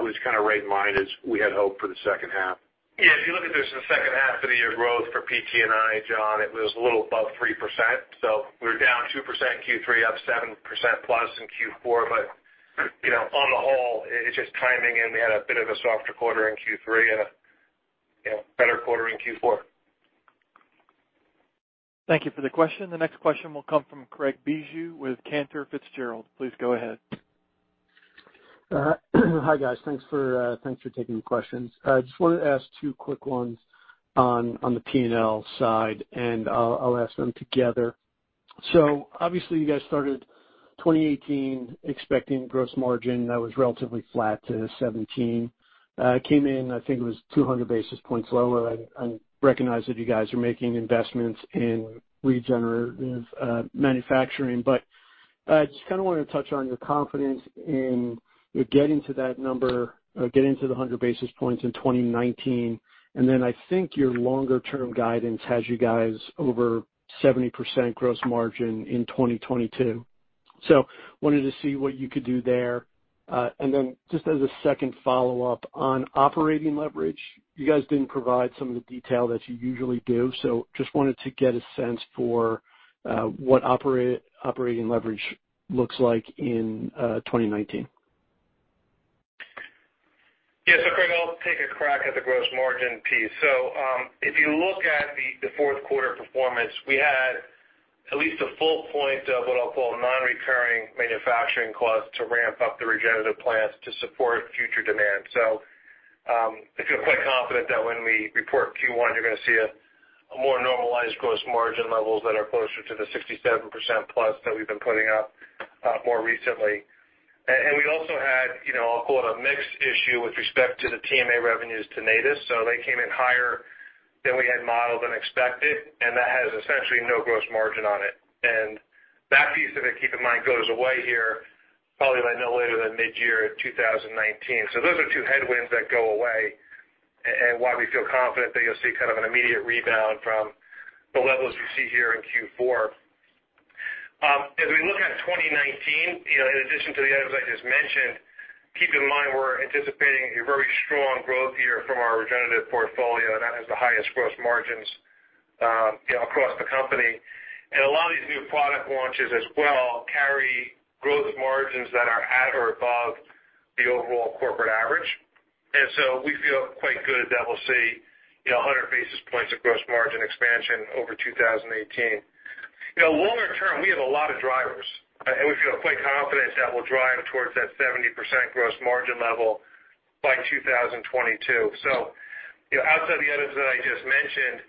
was kind of right in line as we had hoped for the second half. Yeah. If you look at the second half of the year growth for PT&I, John, it was a little above 3%. We were down 2% in Q3, up 7% plus in Q4. On the whole, it's just timing. We had a bit of a softer quarter in Q3 and a better quarter in Q4. Thank you for the question. The next question will come from Craig Bijou with Cantor Fitzgerald. Please go ahead. Hi guys. Thanks for taking the questions. I just wanted to ask two quick ones on the P&L side, and I'll ask them together. So obviously, you guys started 2018 expecting gross margin that was relatively flat to 17%. It came in, I think it was 200 basis points lower. I recognize that you guys are making investments in regenerative manufacturing. But I just kind of wanted to touch on your confidence in getting to that number, getting to the 100 basis points in 2019. And then I think your longer-term guidance has you guys over 70% gross margin in 2022. So wanted to see what you could do there. And then just as a second follow-up on operating leverage, you guys didn't provide some of the detail that you usually do. So just wanted to get a sense for what operating leverage looks like in 2019. Yeah. So Craig, I'll take a crack at the gross margin piece. So if you look at the fourth quarter performance, we had at least a full point of what I'll call non-recurring manufacturing costs to ramp up the regenerative plants to support future demand. So I feel quite confident that when we report Q1, you're going to see more normalized gross margin levels that are closer to the 67% plus that we've been putting up more recently. And we also had, I'll call it a mixed issue with respect to the TMA revenues to Natus. So they came in higher than we had modeled and expected, and that has essentially no gross margin on it. And that piece of it, keep in mind, goes away here probably no later than mid-year in 2019. So those are two headwinds that go away and why we feel confident that you'll see kind of an immediate rebound from the levels we see here in Q4. As we look at 2019, in addition to the items I just mentioned, keep in mind we're anticipating a very strong growth year from our regenerative portfolio, and that has the highest gross margins across the company. And a lot of these new product launches as well carry gross margins that are at or above the overall corporate average. And so we feel quite good that we'll see 100 basis points of gross margin expansion over 2018. Longer term, we have a lot of drivers, and we feel quite confident that we'll drive towards that 70% gross margin level by 2022. Outside the items that I just mentioned,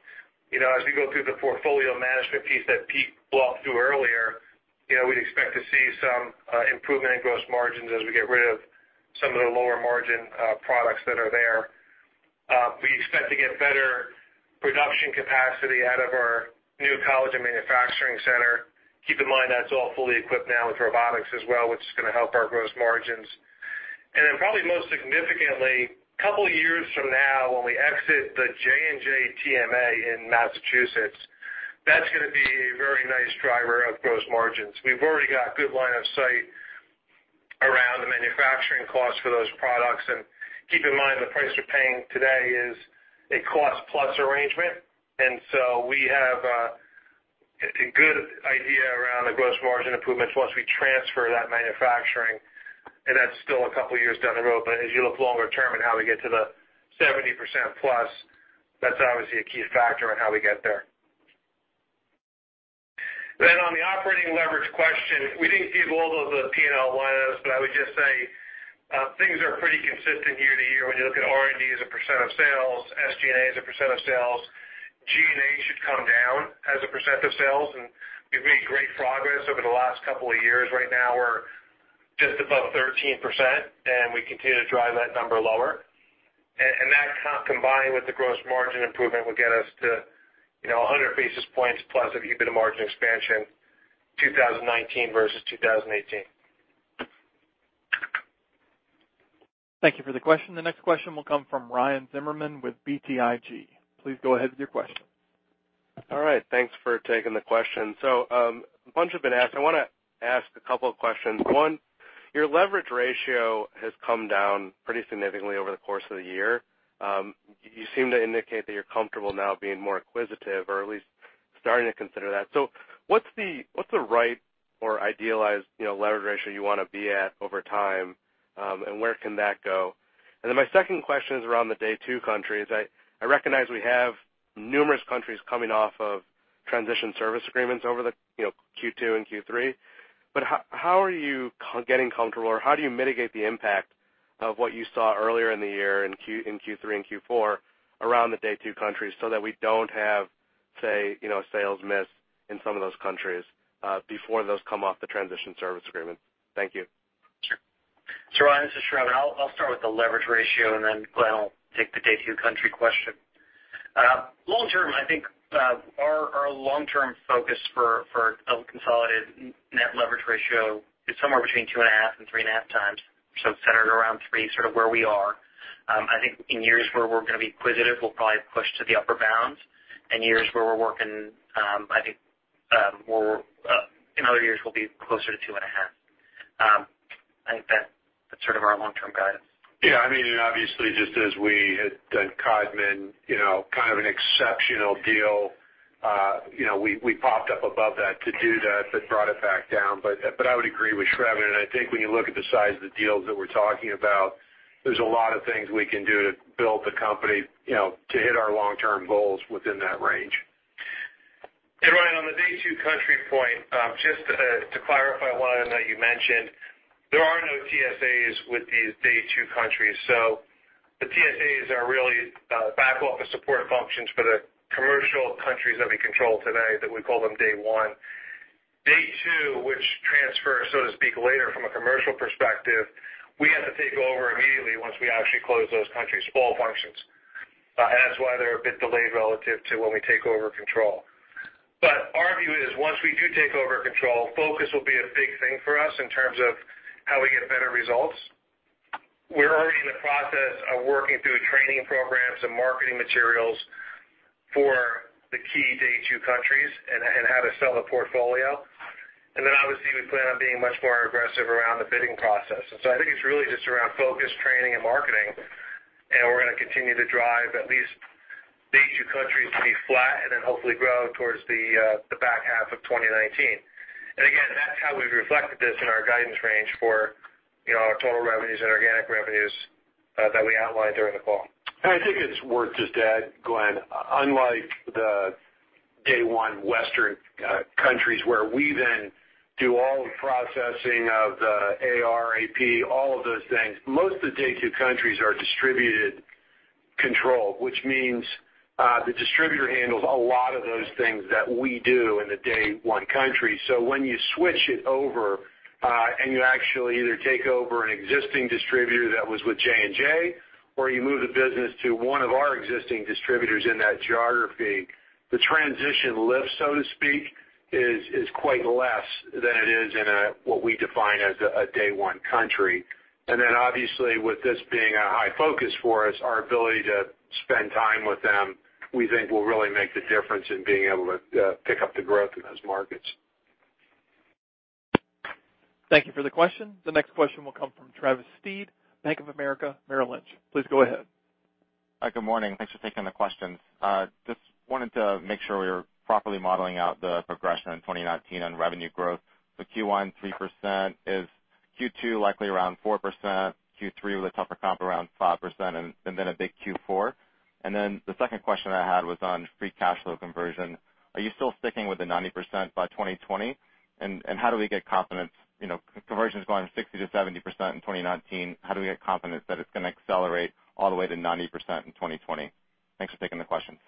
as we go through the portfolio management piece that Pete walked through earlier, we'd expect to see some improvement in gross margins as we get rid of some of the lower margin products that are there. We expect to get better production capacity out of our new collagen manufacturing center. Keep in mind that's all fully equipped now with robotics as well, which is going to help our gross margins. And then probably most significantly, a couple of years from now when we exit the J&J TMA in Massachusetts, that's going to be a very nice driver of gross margins. We've already got a good line of sight around the manufacturing costs for those products. And keep in mind the price we're paying today is a cost-plus arrangement. And so we have a good idea around the gross margin improvements once we transfer that manufacturing. And that's still a couple of years down the road. But as you look longer term and how we get to the 70% plus, that's obviously a key factor in how we get there. Then on the operating leverage question, we didn't give all of the P&L line items, but I would just say things are pretty consistent year to year. When you look at R&D as a % of sales, SG&A as a % of sales, G&A should come down as a % of sales. And we've made great progress over the last couple of years. Right now we're just above 13%, and we continue to drive that number lower. That combined with the gross margin improvement will get us to 100 basis points plus if you put a margin expansion 2019 versus 2018. Thank you for the question. The next question will come from Ryan Zimmerman with BTIG. Please go ahead with your question. All right. Thanks for taking the question. So a bunch have been asked. I want to ask a couple of questions. One, your leverage ratio has come down pretty significantly over the course of the year. You seem to indicate that you're comfortable now being more acquisitive or at least starting to consider that. So what's the right or idealized leverage ratio you want to be at over time, and where can that go? And then my second question is around the Day 2 countries. I recognize we have numerous countries coming off of transition service agreements over the Q2 and Q3. But how are you getting comfortable, or how do you mitigate the impact of what you saw earlier in the year in Q3 and Q4 around the Day 2 countries so that we don't have, say, sales miss in some of those countries before those come off the transition services agreement? Thank you. Sure, so Ryan's just driving. I'll start with the leverage ratio, and then Glenn will take the Day 2 country question. Long-term, I think our long-term focus for a consolidated net leverage ratio is somewhere between two and a half and three and a half times, so centered around three, sort of where we are. I think in years where we're going to be acquisitive, we'll probably push to the upper bounds. And years where we're working, I think in other years we'll be closer to two and a half. I think that's sort of our long-term guidance. Yeah. I mean, obviously, just as we had done Codman, kind of an exceptional deal. We popped up above that to do that, but brought it back down, but I would agree with Sravan. And I think when you look at the size of the deals that we're talking about, there's a lot of things we can do to build the company to hit our long-term goals within that range. And Ryan, on the Day 2 country point, just to clarify one item that you mentioned, there are no TSAs with these Day 2 countries. So the TSAs are really back-office support functions for the commercial countries that we control today that we call them Day 1. Day 2, which transfers, so to speak, later from a commercial perspective, we have to take over immediately once we actually close those countries, all functions. And that's why they're a bit delayed relative to when we take over control. But our view is once we do take over control, focus will be a big thing for us in terms of how we get better results. We're already in the process of working through training programs and marketing materials for the key Day 2 countries and how to sell the portfolio. And then obviously, we plan on being much more aggressive around the bidding process. And so I think it's really just around focus, training, and marketing. And we're going to continue to drive at least Day 2 countries to be flat and then hopefully grow towards the back half of 2019. And again, that's how we've reflected this in our guidance range for our total revenues and organic revenues that we outlined during the call. I think it's worth just to add, Glenn, unlike the Day 1 Western countries where we then do all the processing of the AR, AP, all of those things, most of the Day 2 countries are distributor control, which means the distributor handles a lot of those things that we do in the Day 1 country. So when you switch it over and you actually either take over an existing distributor that was with J&J or you move the business to one of our existing distributors in that geography, the transition lift, so to speak, is quite less than it is in what we define as a Day 1 country. And then obviously, with this being a high focus for us, our ability to spend time with them, we think will really make the difference in being able to pick up the growth in those markets. Thank you for the question. The next question will come from Travis Steed, Bank of America Merrill Lynch. Please go ahead. Hi, good morning. Thanks for taking the questions. Just wanted to make sure we were properly modeling out the progression in 2019 on revenue growth. So Q1, 3%. Is Q2 likely around 4%, Q3 with a tougher comp around 5%, and then a big Q4. And then the second question I had was on free cash flow conversion. Are you still sticking with the 90% by 2020? And how do we get confidence? Conversion's gone 60%-70% in 2019. How do we get confidence that it's going to accelerate all the way to 90% in 2020? Thanks for taking the questions.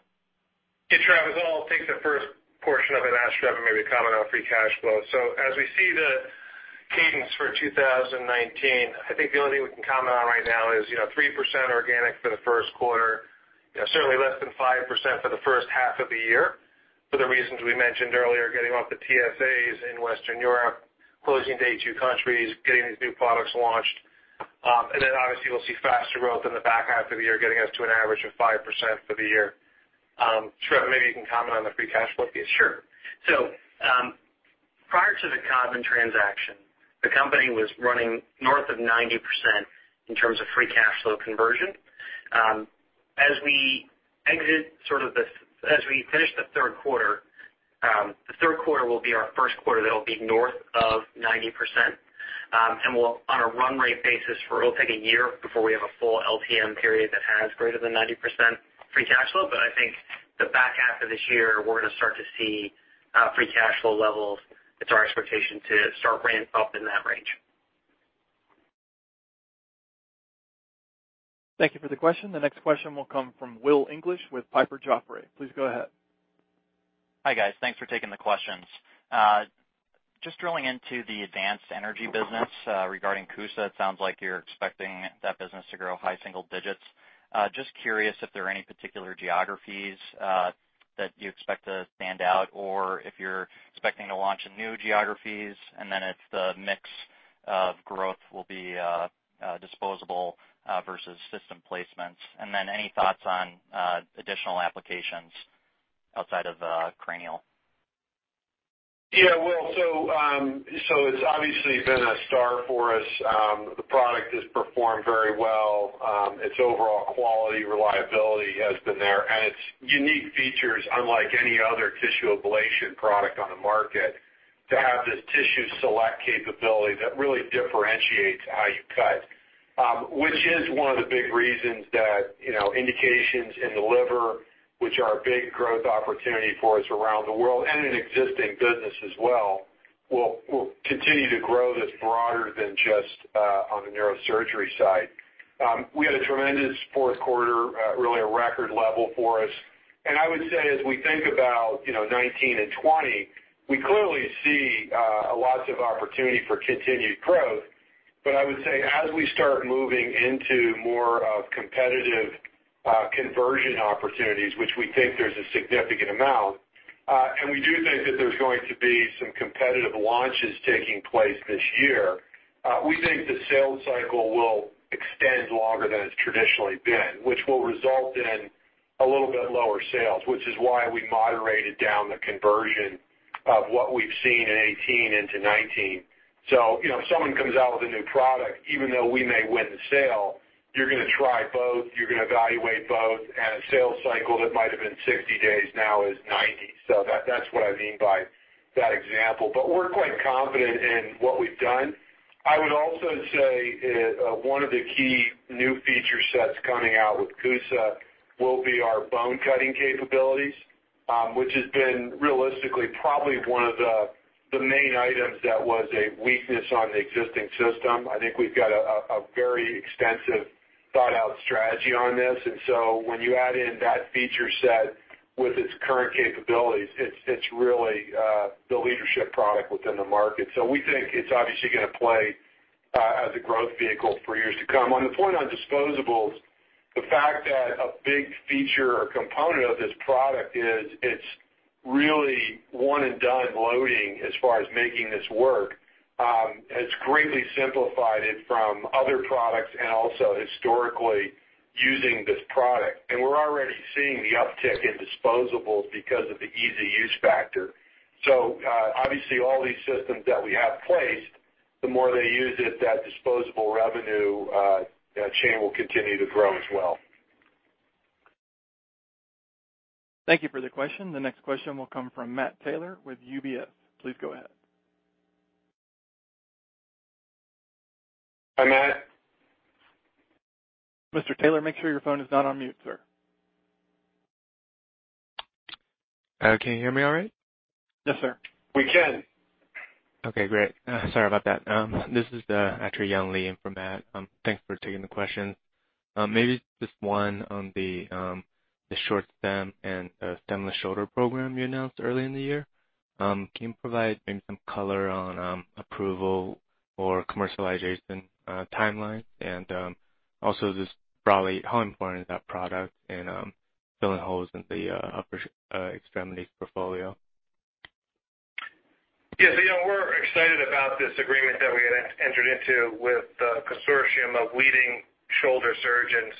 Yeah, Travis, I'll take the first portion of it and ask Sravan maybe a comment on free cash flow. So as we see the cadence for 2019, I think the only thing we can comment on right now is 3% organic for the first quarter, certainly less than 5% for the first half of the year for the reasons we mentioned earlier, getting off the TSAs in Western Europe, closing Day 2 countries, getting these new products launched. And then obviously, we'll see faster growth in the back half of the year getting us to an average of 5% for the year. Sravan, maybe you can comment on the free cash flow piece. Sure. So prior to the Codman transaction, the company was running north of 90% in terms of free cash flow conversion. As we finish the third quarter, the third quarter will be our first quarter that will be north of 90%. And on a run rate basis, it'll take a year before we have a full LTM period that has greater than 90% free cash flow. But I think the back half of this year, we're going to start to see free cash flow levels. It's our expectation to start ramp up in that range. Thank you for the question. The next question will come from Will English with Piper Jaffray. Please go ahead. Hi guys. Thanks for taking the questions. Just drilling into the advanced energy business regarding CUSA. It sounds like you're expecting that business to grow high single digits. Just curious if there are any particular geographies that you expect to stand out or if you're expecting to launch in new geographies. And then if the mix of growth will be disposable versus system placements. And then any thoughts on additional applications outside of cranial? Yeah. Well, so it's obviously been a star for us. The product has performed very well. It's overall quality reliability has been there. And it's unique features, unlike any other tissue ablation product on the market, to have this TissueSelect capability that really differentiates how you cut, which is one of the big reasons that indications in the liver, which are a big growth opportunity for us around the world and in existing business as well, will continue to grow this broader than just on the neurosurgery side. We had a tremendous fourth quarter, really a record level for us. And I would say as we think about 2019 and 2020, we clearly see lots of opportunity for continued growth. But I would say as we start moving into more of competitive conversion opportunities, which we think there's a significant amount, and we do think that there's going to be some competitive launches taking place this year, we think the sales cycle will extend longer than it's traditionally been, which will result in a little bit lower sales, which is why we moderated down the conversion of what we've seen in 2018 into 2019. So if someone comes out with a new product, even though we may win the sale, you're going to try both. You're going to evaluate both. And a sales cycle that might have been 60 days now is 90. So that's what I mean by that example. But we're quite confident in what we've done. I would also say one of the key new feature sets coming out with CUSA will be our bone cutting capabilities, which has been realistically probably one of the main items that was a weakness on the existing system. I think we've got a very extensive thought-out strategy on this. And so when you add in that feature set with its current capabilities, it's really the leadership product within the market. So we think it's obviously going to play as a growth vehicle for years to come. On the point on disposables, the fact that a big feature or component of this product is it's really one-and-done loading as far as making this work has greatly simplified it from other products and also historically using this product. And we're already seeing the uptick in disposables because of the easy use factor. So obviously, all these systems that we have placed, the more they use it, that disposable revenue chain will continue to grow as well. Thank you for the question. The next question will come from Matt Taylor with UBS. Please go ahead. Hi, Matt. Mr. Taylor, make sure your phone is not on mute, sir. Can you hear me all right? Yes, sir. We can. Okay, great. Sorry about that. This is Dr. Yan Li from Matt. Thanks for taking the question. Maybe just one on the short stem and the stemless shoulder program you announced early in the year. Can you provide maybe some color on approval or commercialization timelines? And also just broadly, how important is that product in filling holes in the upper extremities portfolio? Yeah, so we're excited about this agreement that we entered into with the consortium of leading shoulder surgeons.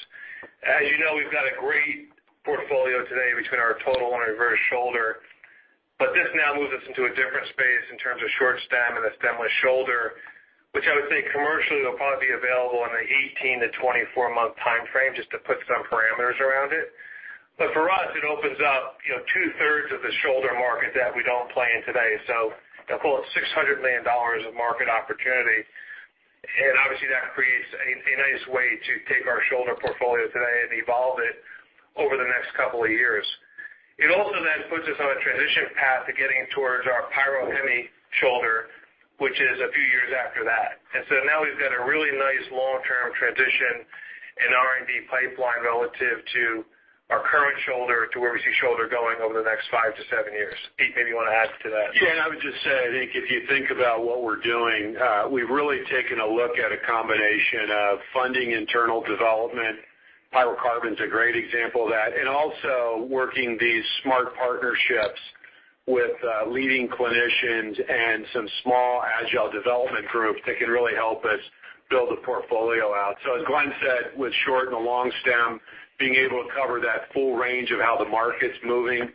As you know, we've got a great portfolio today between our total and reverse shoulder. But this now moves us into a different space in terms of short stem and the stemless shoulder, which I would say commercially will probably be available in the 18-24-month timeframe just to put some parameters around it. But for us, it opens up two-thirds of the shoulder market that we don't play in today. So I'll call it $600 million of market opportunity. And obviously, that creates a nice way to take our shoulder portfolio today and evolve it over the next couple of years. It also then puts us on a transition path to getting towards our PyroHemi shoulder, which is a few years after that. And so now we've got a really nice long-term transition in R&D pipeline relative to our current shoulder to where we see shoulder going over the next five to seven years. Pete, maybe you want to add to that? Yeah. And I would just say, I think if you think about what we're doing, we've really taken a look at a combination of funding, internal development, pyrocarbons are a great example of that, and also working these smart partnerships with leading clinicians and some small agile development groups that can really help us build the portfolio out. So as Glenn said, with short and a long stem, being able to cover that full range of how the market's moving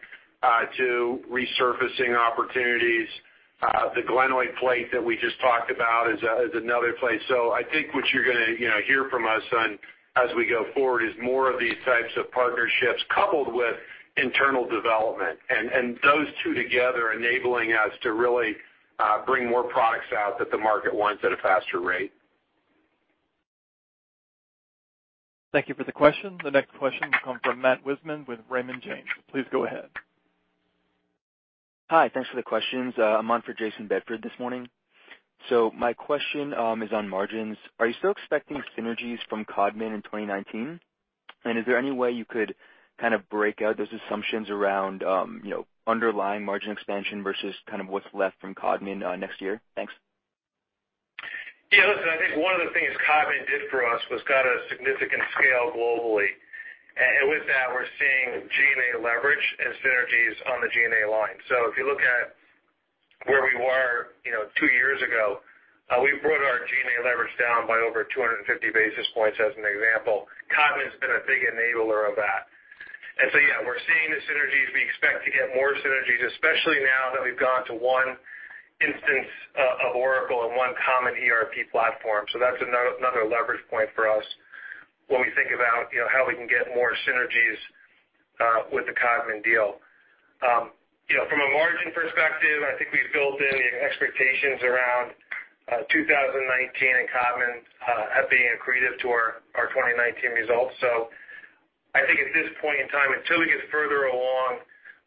to resurfacing opportunities. The glenoid plate that we just talked about is another place. So I think what you're going to hear from us as we go forward is more of these types of partnerships coupled with internal development. And those two together enabling us to really bring more products out that the market wants at a faster rate. Thank you for the question. The next question will come from Matt Wisner with Raymond James. Please go ahead. Hi. Thanks for the questions. I'm on for Jason Bedford this morning. So my question is on margins. Are you still expecting synergies from Codman in 2019? And is there any way you could kind of break out those assumptions around underlying margin expansion versus kind of what's left from Codman next year? Thanks. Yeah. Listen, I think one of the things Codman did for us was got a significant scale globally, and with that, we're seeing G&A leverage and synergies on the G&A line, so if you look at where we were two years ago, we brought our G&A leverage down by over 250 basis points as an example. Codman's been a big enabler of that, and so yeah, we're seeing the synergies. We expect to get more synergies, especially now that we've gone to one instance of Oracle and one common ERP platform, so that's another leverage point for us when we think about how we can get more synergies with the Codman deal. From a margin perspective, I think we've built in the expectations around 2019 and Codman being accretive to our 2019 results. So I think at this point in time, until we get further along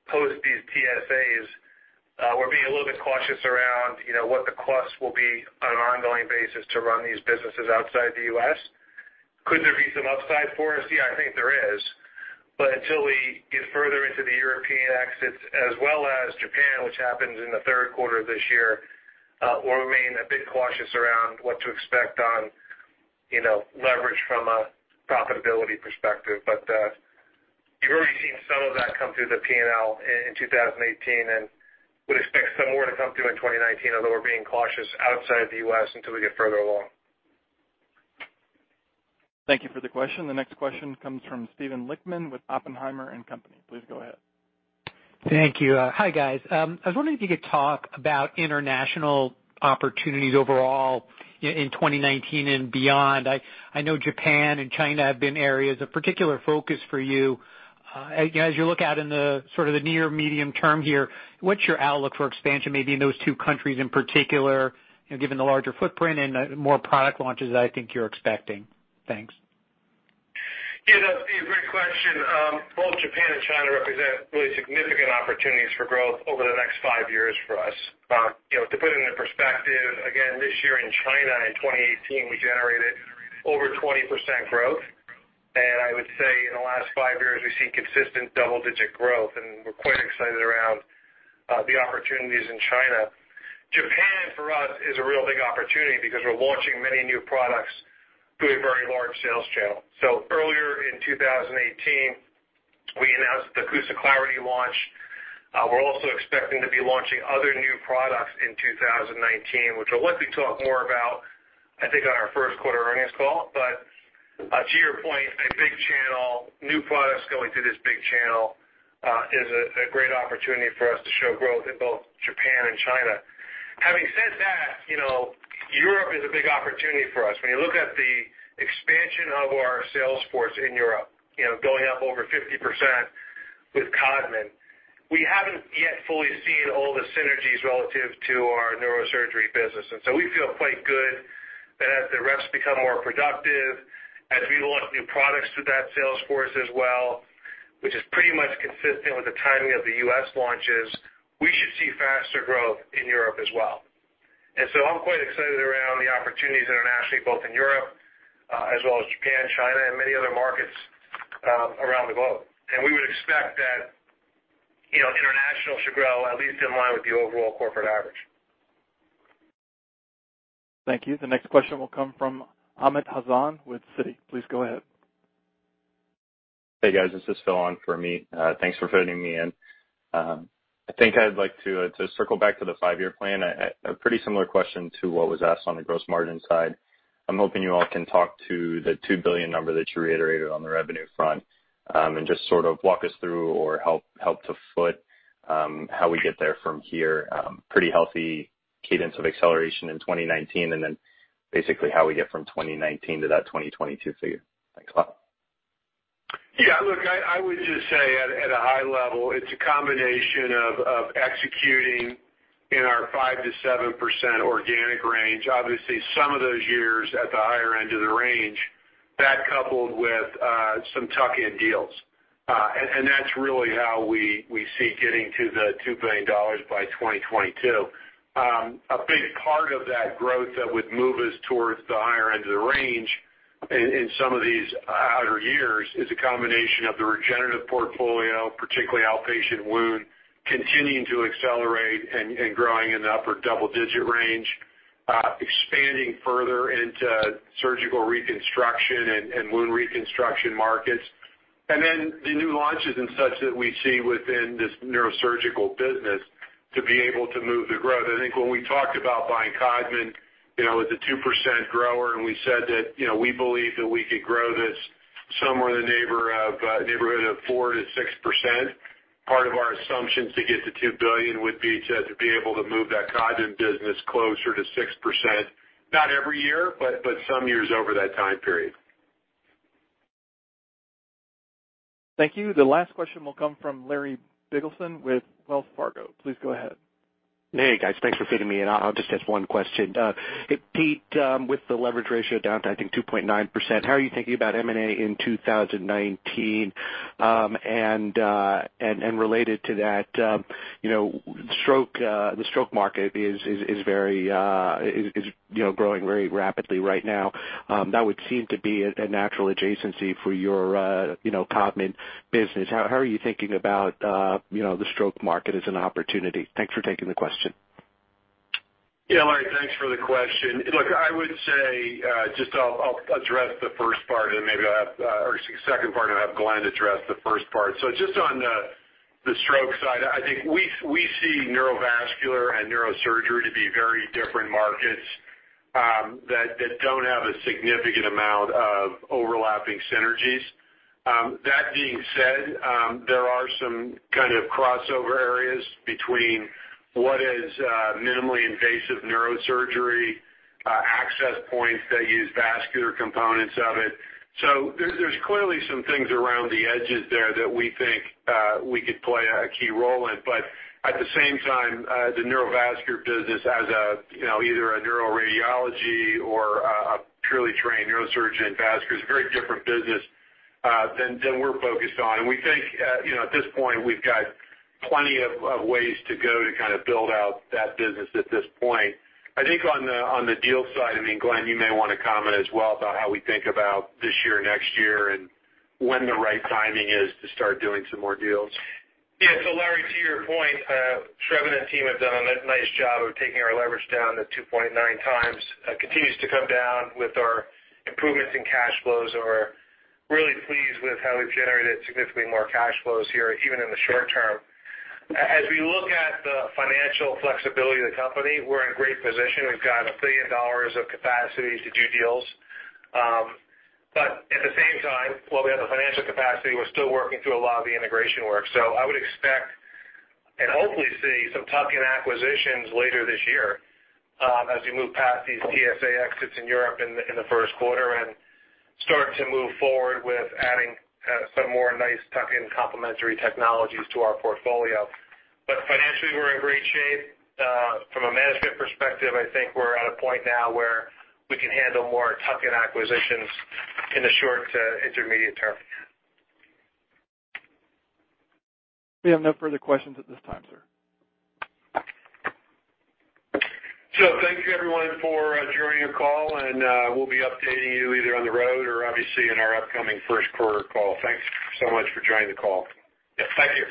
post these TSAs, we're being a little bit cautious around what the cost will be on an ongoing basis to run these businesses outside the US. Could there be some upside for us? Yeah, I think there is. But until we get further into the European exits as well as Japan, which happens in the third quarter of this year, we'll remain a bit cautious around what to expect on leverage from a profitability perspective. But you've already seen some of that come through the P&L in 2018 and would expect some more to come through in 2019, although we're being cautious outside of the US until we get further along. Thank you for the question. The next question comes from Steven Lichtman with Oppenheimer & Co. Please go ahead. Thank you. Hi guys. I was wondering if you could talk about international opportunities overall in 2019 and beyond. I know Japan and China have been areas of particular focus for you. As you look out in the sort of the near-medium term here, what's your outlook for expansion maybe in those two countries in particular, given the larger footprint and more product launches that I think you're expecting? Thanks. Yeah. That's a great question. Both Japan and China represent really significant opportunities for growth over the next five years for us. To put it into perspective, again, this year in China in 2018, we generated over 20% growth, and I would say in the last five years, we've seen consistent double-digit growth, and we're quite excited around the opportunities in China. Japan, for us, is a real big opportunity because we're launching many new products through a very large sales channel, so earlier in 2018, we announced the CUSA Clarity launch. We're also expecting to be launching other new products in 2019, which we'll likely talk more about, I think, on our first quarter earnings call, but to your point, a big channel, new products going through this big channel is a great opportunity for us to show growth in both Japan and China. Having said that, Europe is a big opportunity for us. When you look at the expansion of our sales force in Europe, going up over 50% with Codman, we haven't yet fully seen all the synergies relative to our neurosurgery business. And so we feel quite good that as the reps become more productive, as we launch new products through that sales force as well, which is pretty much consistent with the timing of the U.S. launches, we should see faster growth in Europe as well. And so I'm quite excited around the opportunities internationally, both in Europe as well as Japan, China, and many other markets around the globe. And we would expect that international should grow at least in line with the overall corporate average. Thank you. The next question will come from Amit Hazan with Citi. Please go ahead. Hey guys. This is Phil on for me. Thanks for fitting me in. I think I'd like to circle back to the five-year plan. A pretty similar question to what was asked on the gross margin side. I'm hoping you all can talk to the $2 billion number that you reiterated on the revenue front and just sort of walk us through or help to foot how we get there from here. Pretty healthy cadence of acceleration in 2019 and then basically how we get from 2019 to that 2022 figure. Thanks a lot. Yeah. Look, I would just say at a high level, it's a combination of executing in our 5%-7% organic range. Obviously, some of those years at the higher end of the range, that coupled with some tuck-in deals. And that's really how we see getting to the $2 billion by 2022. A big part of that growth that would move us towards the higher end of the range in some of these outer years is a combination of the regenerative portfolio, particularly outpatient wound, continuing to accelerate and growing in the upper double-digit range, expanding further into surgical reconstruction and wound reconstruction markets. And then the new launches and such that we see within this neurosurgical business to be able to move the growth. I think when we talked about buying Codman as a 2% grower and we said that we believe that we could grow this somewhere in the neighborhood of 4%-6%, part of our assumptions to get to $2 billion would be to be able to move that Codman business closer to 6%. Not every year, but some years over that time period. Thank you. The last question will come from Larry Biegelsen with Wells Fargo. Please go ahead. Hey guys. Thanks for fitting me in. I'll just ask one question. Pete, with the leverage ratio down to, I think, 2.9%, how are you thinking about M&A in 2019? And related to that, the stroke market is growing very rapidly right now. That would seem to be a natural adjacency for your Codman business. How are you thinking about the stroke market as an opportunity? Thanks for taking the question. Yeah. Larry, thanks for the question. Look, I would say, just I'll address the first part and maybe I'll have or second part, and I'll have Glenn address the first part, so just on the stroke side, I think we see neurovascular and neurosurgery to be very different markets that don't have a significant amount of overlapping synergies. That being said, there are some kind of crossover areas between what is minimally invasive neurosurgery access points that use vascular components of it, so there's clearly some things around the edges there that we think we could play a key role in. But at the same time, the neurovascular business as either a neuroradiology or a purely trained neurosurgeon and vascular is a very different business than we're focused on. We think at this point, we've got plenty of ways to go to kind of build out that business at this point. I think on the deal side, I mean, Glenn, you may want to comment as well about how we think about this year, next year, and when the right timing is to start doing some more deals. Yeah. Larry, to your point, Sravan and team have done a nice job of taking our leverage down to 2.9 times. It continues to come down with our improvements in cash flows. We're really pleased with how we've generated significantly more cash flows here, even in the short term. As we look at the financial flexibility of the company, we're in a great position. We've got $1 billion of capacity to do deals. But at the same time, while we have the financial capacity, we're still working through a lot of the integration work. So I would expect and hopefully see some tuck-in acquisitions later this year as we move past these TSA exits in Europe in the first quarter and start to move forward with adding some more nice tuck-in complementary technologies to our portfolio. But financially, we're in great shape. From a management perspective, I think we're at a point now where we can handle more tuck-in acquisitions in the short to intermediate term. We have no further questions at this time, sir. So thank you, everyone, for joining the call. And we'll be updating you either on the road or obviously in our upcoming first quarter call. Thanks so much for joining the call. Yeah. Thank you.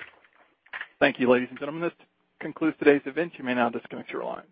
Thank you, ladies and gentlemen. This concludes today's event. You may now disconnect your lines.